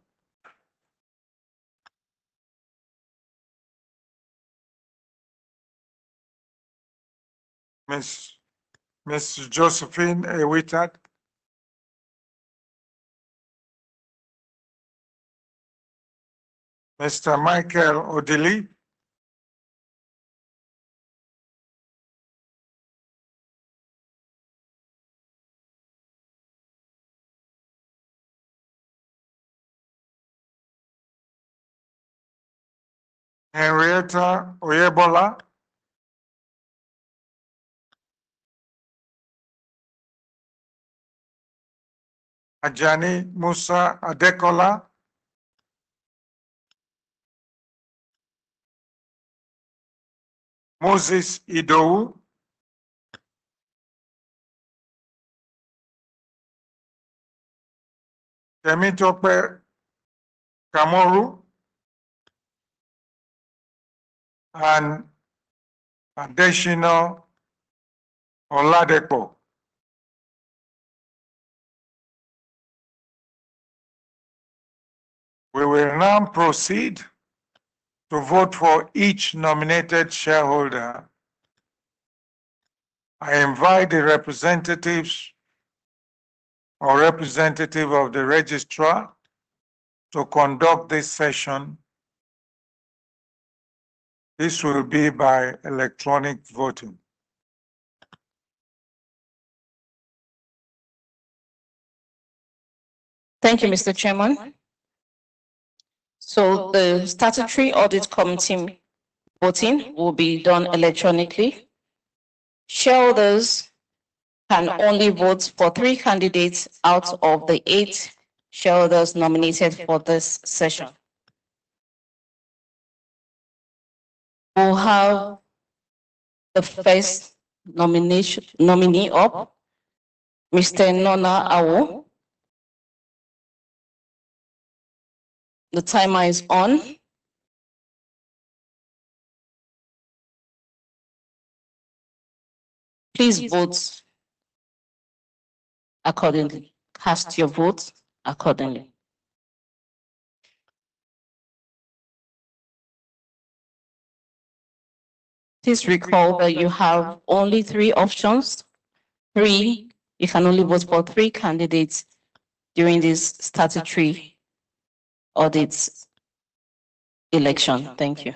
Ms. Josephine Ewitat; Mr. Michael Odili; Henrietta Oyebola; Ajani Musa Adekola; Moses Idou; Kemi Tope Kamoru; and Adeshina Oladeko. We will now proceed to vote for each nominated shareholder. I invite the representatives or representative of the registrar to conduct this session. This will be by electronic voting. Thank you, Mr. Chairman. The Statutory Audit Committee voting will be done electronically. Shareholders can only vote for three candidates out of the eight shareholders nominated for this session. We will have the first nominee up, Mr. Nornah Awoh. The timer is on. Please vote accordingly. Cast your vote accordingly. Please recall that you have only three options. Three. You can only vote for three candidates during this statutory audit election. Thank you.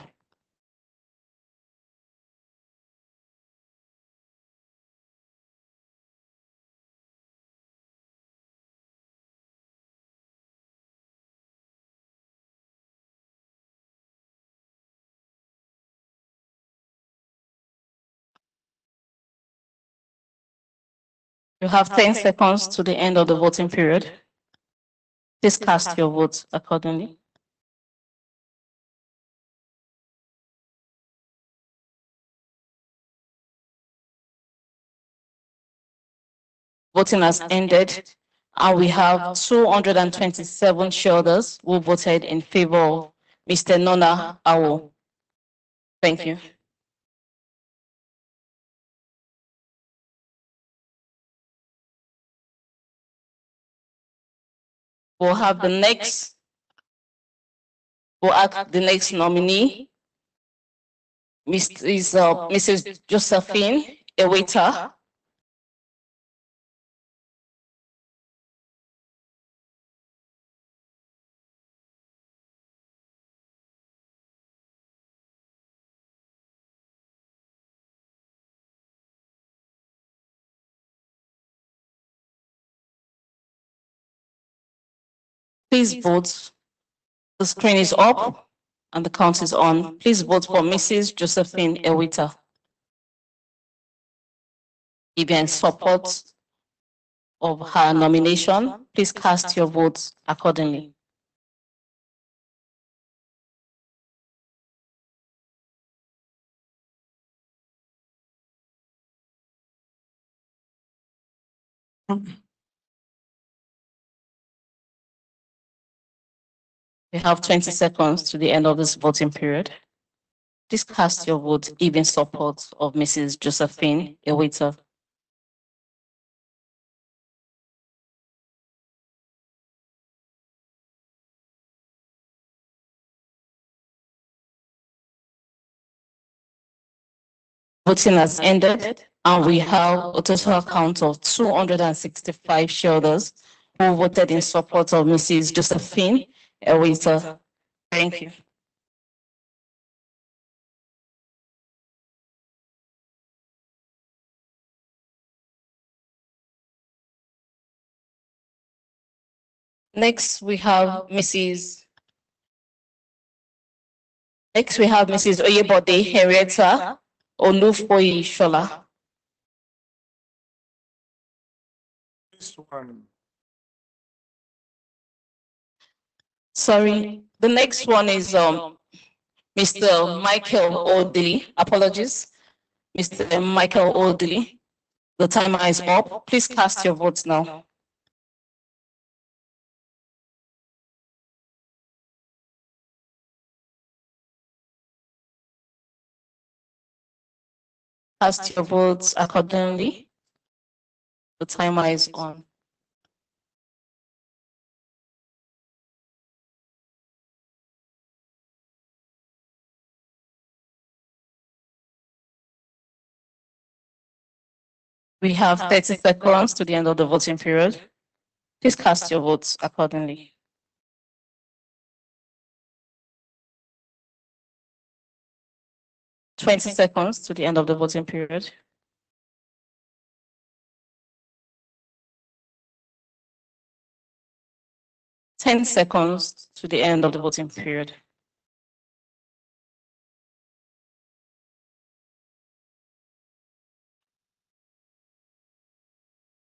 We have 10 seconds to the end of the voting period. Please cast your vote accordingly. Voting has ended, and we have 227 shareholders who voted in favor of Mr. Nonah Awoh. Thank you. We'll have the next nominee, Mrs. Josephine Ewitat. Please vote. The screen is up, and the count is on. Please vote for Mrs. Josephine Ewitat. Give you any support of her nomination. Please cast your vote accordingly. We have 20 seconds to the end of this voting period. Please cast your vote, give you any support of Mrs. Josephine Ewitat. Voting has ended, and we have a total count of 265 shareholders who voted in support of Mrs. Josephine Ewitat. Thank you. Next, we have Mrs. Next, we have Mrs. Oyebode, Henrietta Olufoyi Shola. This one. Sorry. The next one is Mr. Michael Odili. Apologies. Mr. Michael Odili. The timer is off. Please cast your votes now. Cast your votes accordingly. The timer is on. We have 30 seconds to the end of the voting period. Please cast your votes accordingly. 20 seconds to the end of the voting period. 10 seconds to the end of the voting period.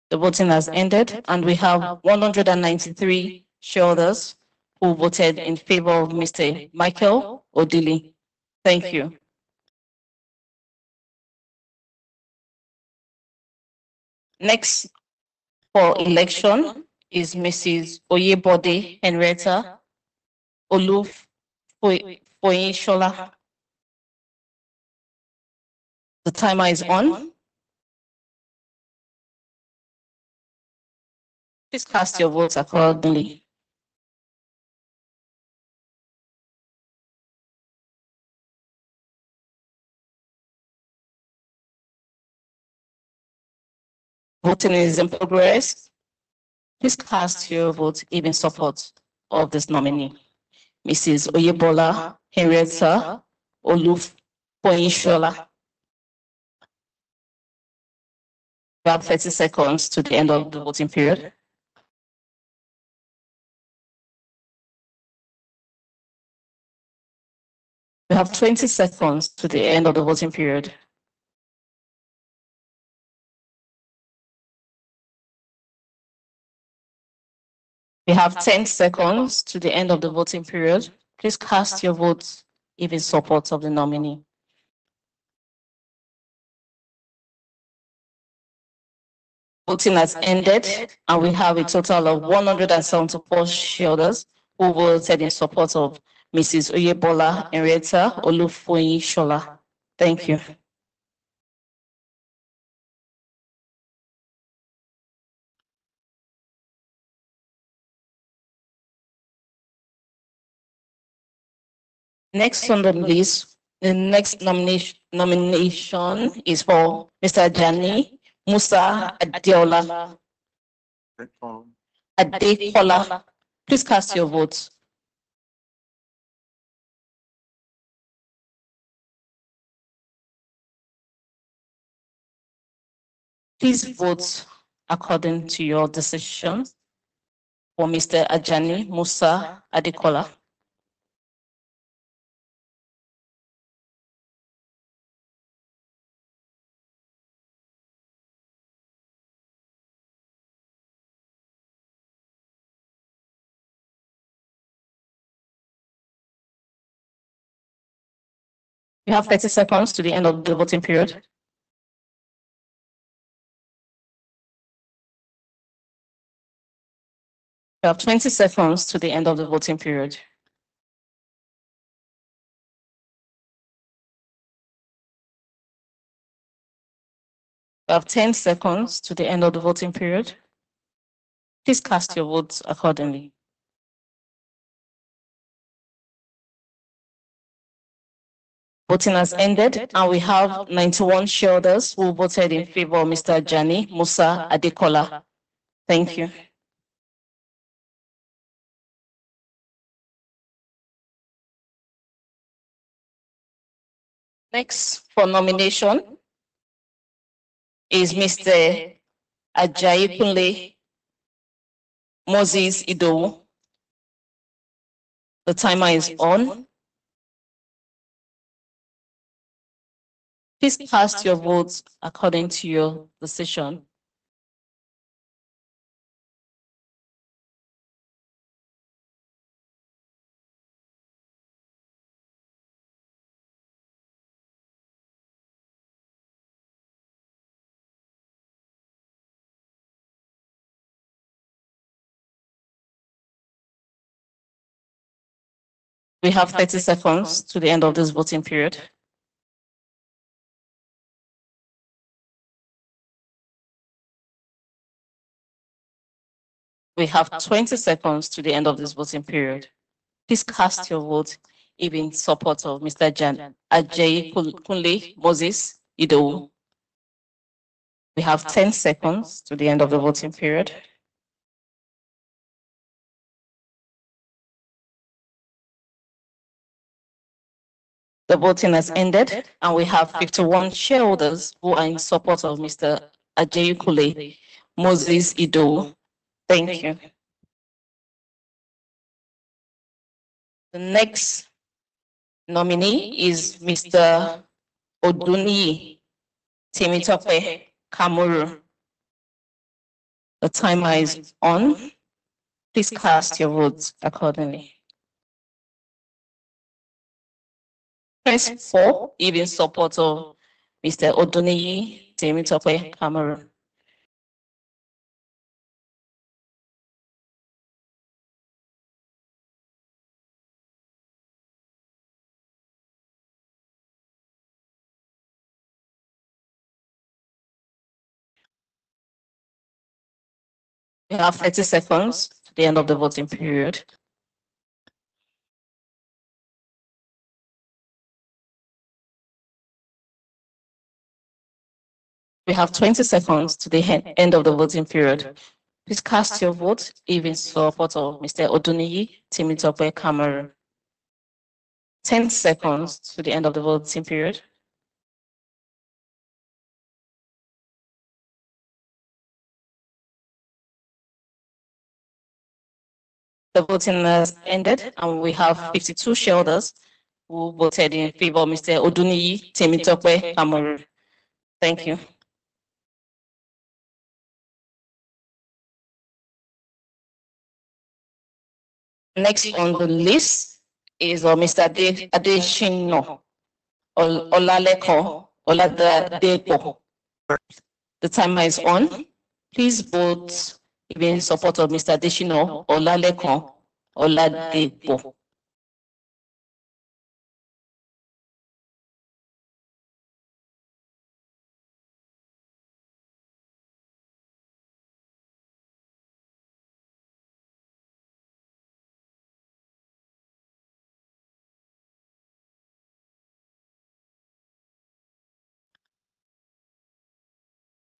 The voting has ended, and we have 193 shareholders who voted in favor of Mr. Michael Odili. Thank you. Next for election is Mrs. Oyebode, Henrietta Olufoyi Shola. The timer is on. Please cast your votes accordingly. Voting is in progress. Please cast your vote in support of this nominee, Mrs. Oyebode, Henrietta Olufoyi Shola. We have 30 seconds to the end of the voting period. We have 20 seconds to the end of the voting period. We have 10 seconds to the end of the voting period. Please cast your vote in support of the nominee. Voting has ended, and we have a total of 174 shareholders who voted in support of Mrs. Oyebode, Henrietta Olufoyi Shola. Thank you. Next on the list, the next nomination is for Mr. Ajani Musa Adekola. Please cast your vote. Please vote according to your decision for Mr. Ajani Musa Adekola. We have 30 seconds to the end of the voting period. We have 20 seconds to the end of the voting period. We have 10 seconds to the end of the voting period. Please cast your votes accordingly. Voting has ended, and we have 91 shareholders who voted in favor of Mr. Ajani Musa Adekola. Thank you. Next for nomination is Mr. Ajayi Kule Moses Idou. The timer is on. Please cast your votes according to your decision. We have 30 seconds to the end of this voting period. We have 20 seconds to the end of this voting period. Please cast your vote in support of Mr. Ajayi Kule Moses Idou. We have 10 seconds to the end of the voting period. The voting has ended, and we have 51 shareholders who are in support of Mr. Ajayi Kule Moses Idou. Thank you. The next nominee is Mr. Oduni Timitope Kamoru. The timer is on. Please cast your votes accordingly. Press four, give your support of Mr. Oduni Timitope Kamoru. We have 30 seconds to the end of the voting period. We have 20 seconds to the end of the voting period. Please cast your vote in support of Mr. Oduni Timitope Kamoru. 10 seconds to the end of the voting period. The voting has ended, and we have 52 shareholders who voted in favor of Mr. Oduni Timitope Kamoru. Thank you. Next on the list is Mr. Adeshina Oladeko. The timer is on. Please vote in support of Mr. Adeshina Oladeko.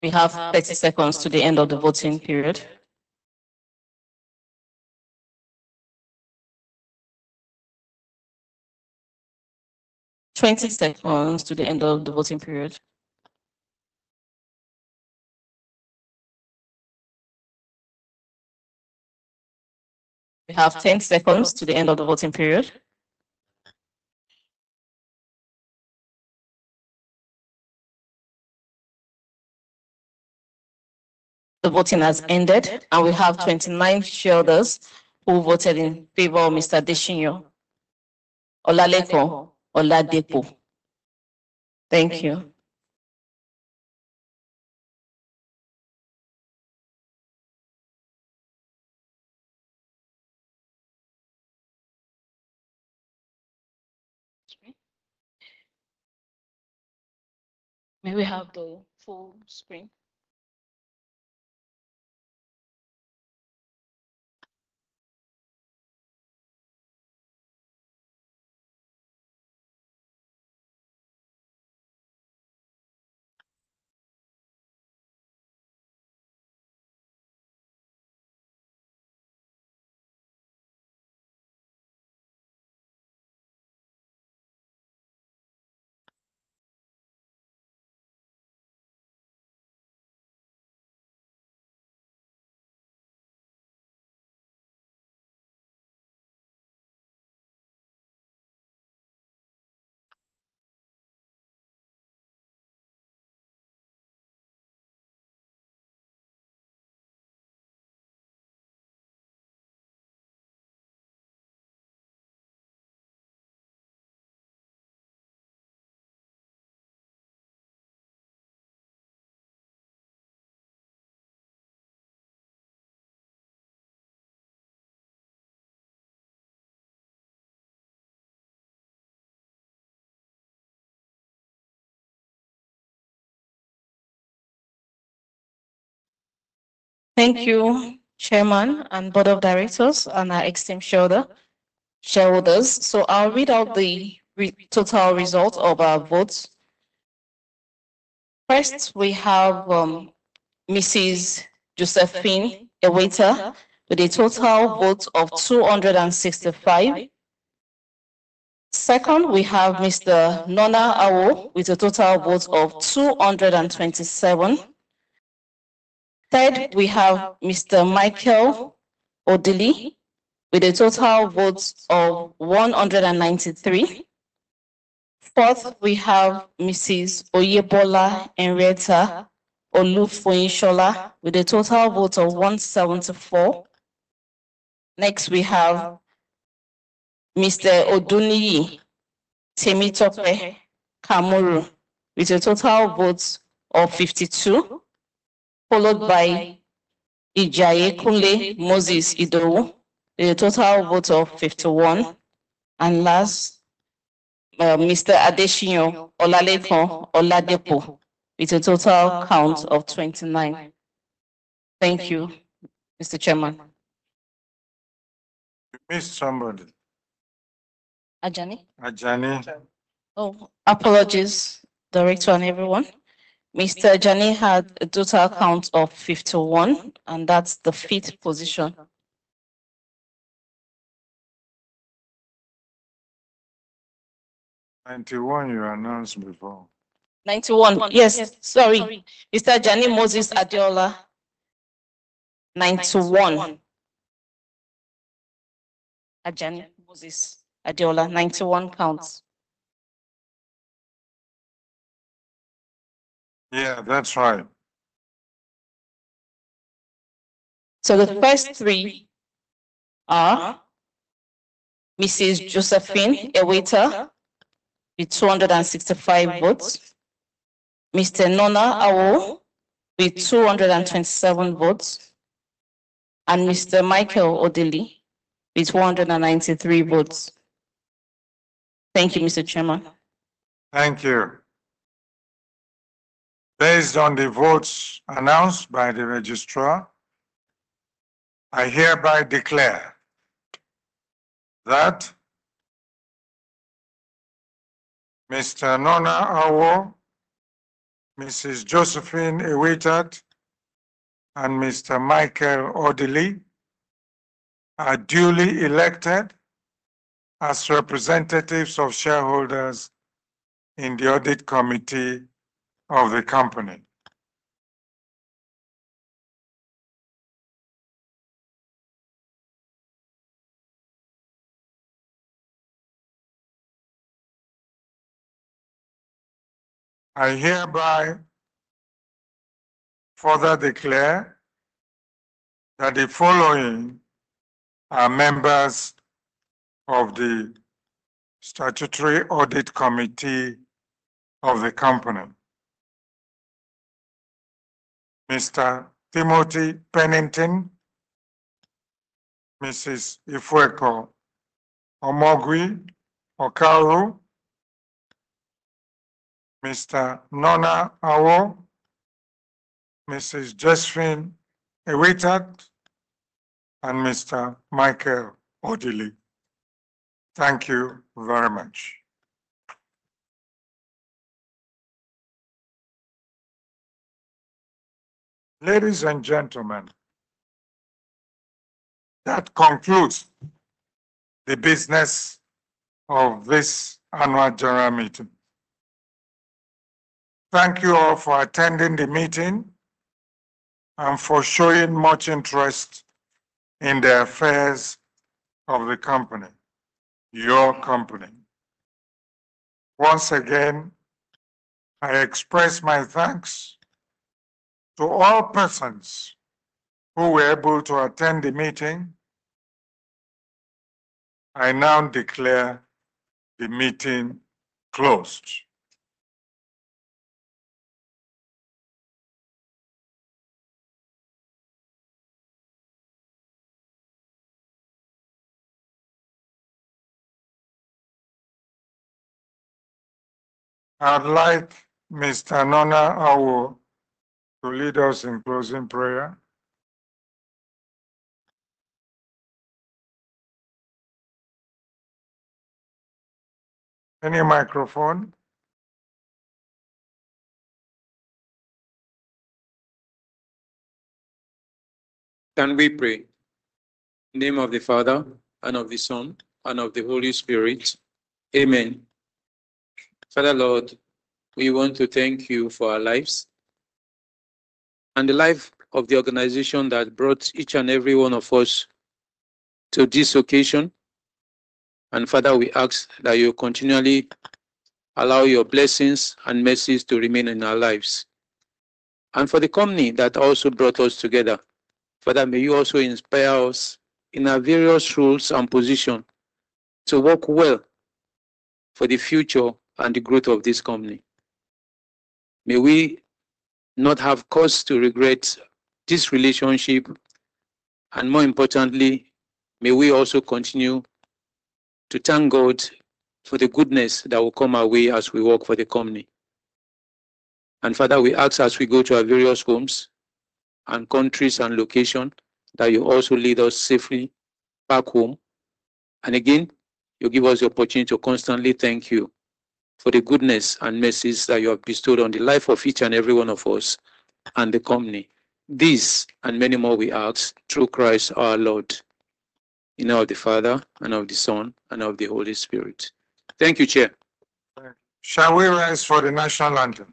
We have 30 seconds to the end of the voting period. 20 seconds to the end of the voting period. We have 10 seconds to the end of the voting period. The voting has ended, and we have 29 shareholders who voted in favor of Mr. Adeshina Oladeko. Thank you. May we have the full screen? Thank you, Chairman and Board of Directors and our esteemed shareholders. I will read out the total result of our votes. First, we have Mrs. Josephine Ewitat with a total vote of 265. Second, we have Mr. Nornah Awoh with a total vote of 227. Third, we have Mr. Michael Odili with a total vote of 193. Fourth, we have Mrs. Oyebole Henrietta Olufoyi Shola with a total vote of 174. Next, we have Mr. Oduni Timitope Kamoru with a total vote of 52, followed by Ajayi Kule Moses Idou with a total vote of 51. Last, Mr. Adeshino Oladepo with a total count of 29. Thank you, Mr. Chairman. Mr. Ajani? Ajani. Oh, apologies, Director and everyone. Mr. Ajani had a total count of 51, and that's the fifth position. 91 you announced before. 91, yes. Sorry. Mr. Ajani Moses Adiola. 91. Ajani Moses Adiola, 91 counts. Yeah, that's right. The first three are Mrs. Josephine Ewitat with 265 votes, Mr. Nornah Awoh with 227 votes, and Mr. Michael Odili with 293 votes. Thank you, Mr. Chairman. Thank you. Based on the votes announced by the registrar, I hereby declare that Mr. Nornah Awoh, Mrs. Josephine Ewitat, and Mr. Michael Odili are duly elected as representatives of shareholders in the Audit Committee of the company. I hereby further declare that the following are members of the Statutory Audit Committee of the company: Mr. Timothy Pennington, Mrs. Ifueko Omoigui Okauru, Mr. Nornah Awoh, Mrs. Josephine Ewitat, and Mr. Michael Odili. Thank you very much. Ladies and gentlemen, that concludes the business of this annual general meeting. Thank you all for attending the meeting and for showing much interest in the affairs of the company, your company. Once again, I express my thanks to all persons who were able to attend the meeting. I now declare the meeting closed. I'd like Mr. Nornah Awoh to lead us in closing prayer. Any microphone? Can we pray? In the name of the Father, and of the Son, and of the Holy Spirit. Amen. Father Lord, we want to thank you for our lives and the life of the organization that brought each and every one of us to this occasion. Father, we ask that you continually allow your blessings and mercies to remain in our lives. For the company that also brought us together, Father, may you also inspire us in our various roles and positions to work well for the future and the growth of this company. May we not have cause to regret this relationship, and more importantly, may we also continue to thank God for the goodness that will come our way as we work for the company. Father, we ask as we go to our various homes and countries and locations that you also lead us safely back home. You give us the opportunity to constantly thank you for the goodness and mercies that you have bestowed on the life of each and every one of us and the company. This and many more we ask through Christ our Lord. In the name of the Father, and of the Son, and of the Holy Spirit. Thank you, Chair. Shall we rise for the National Anthem?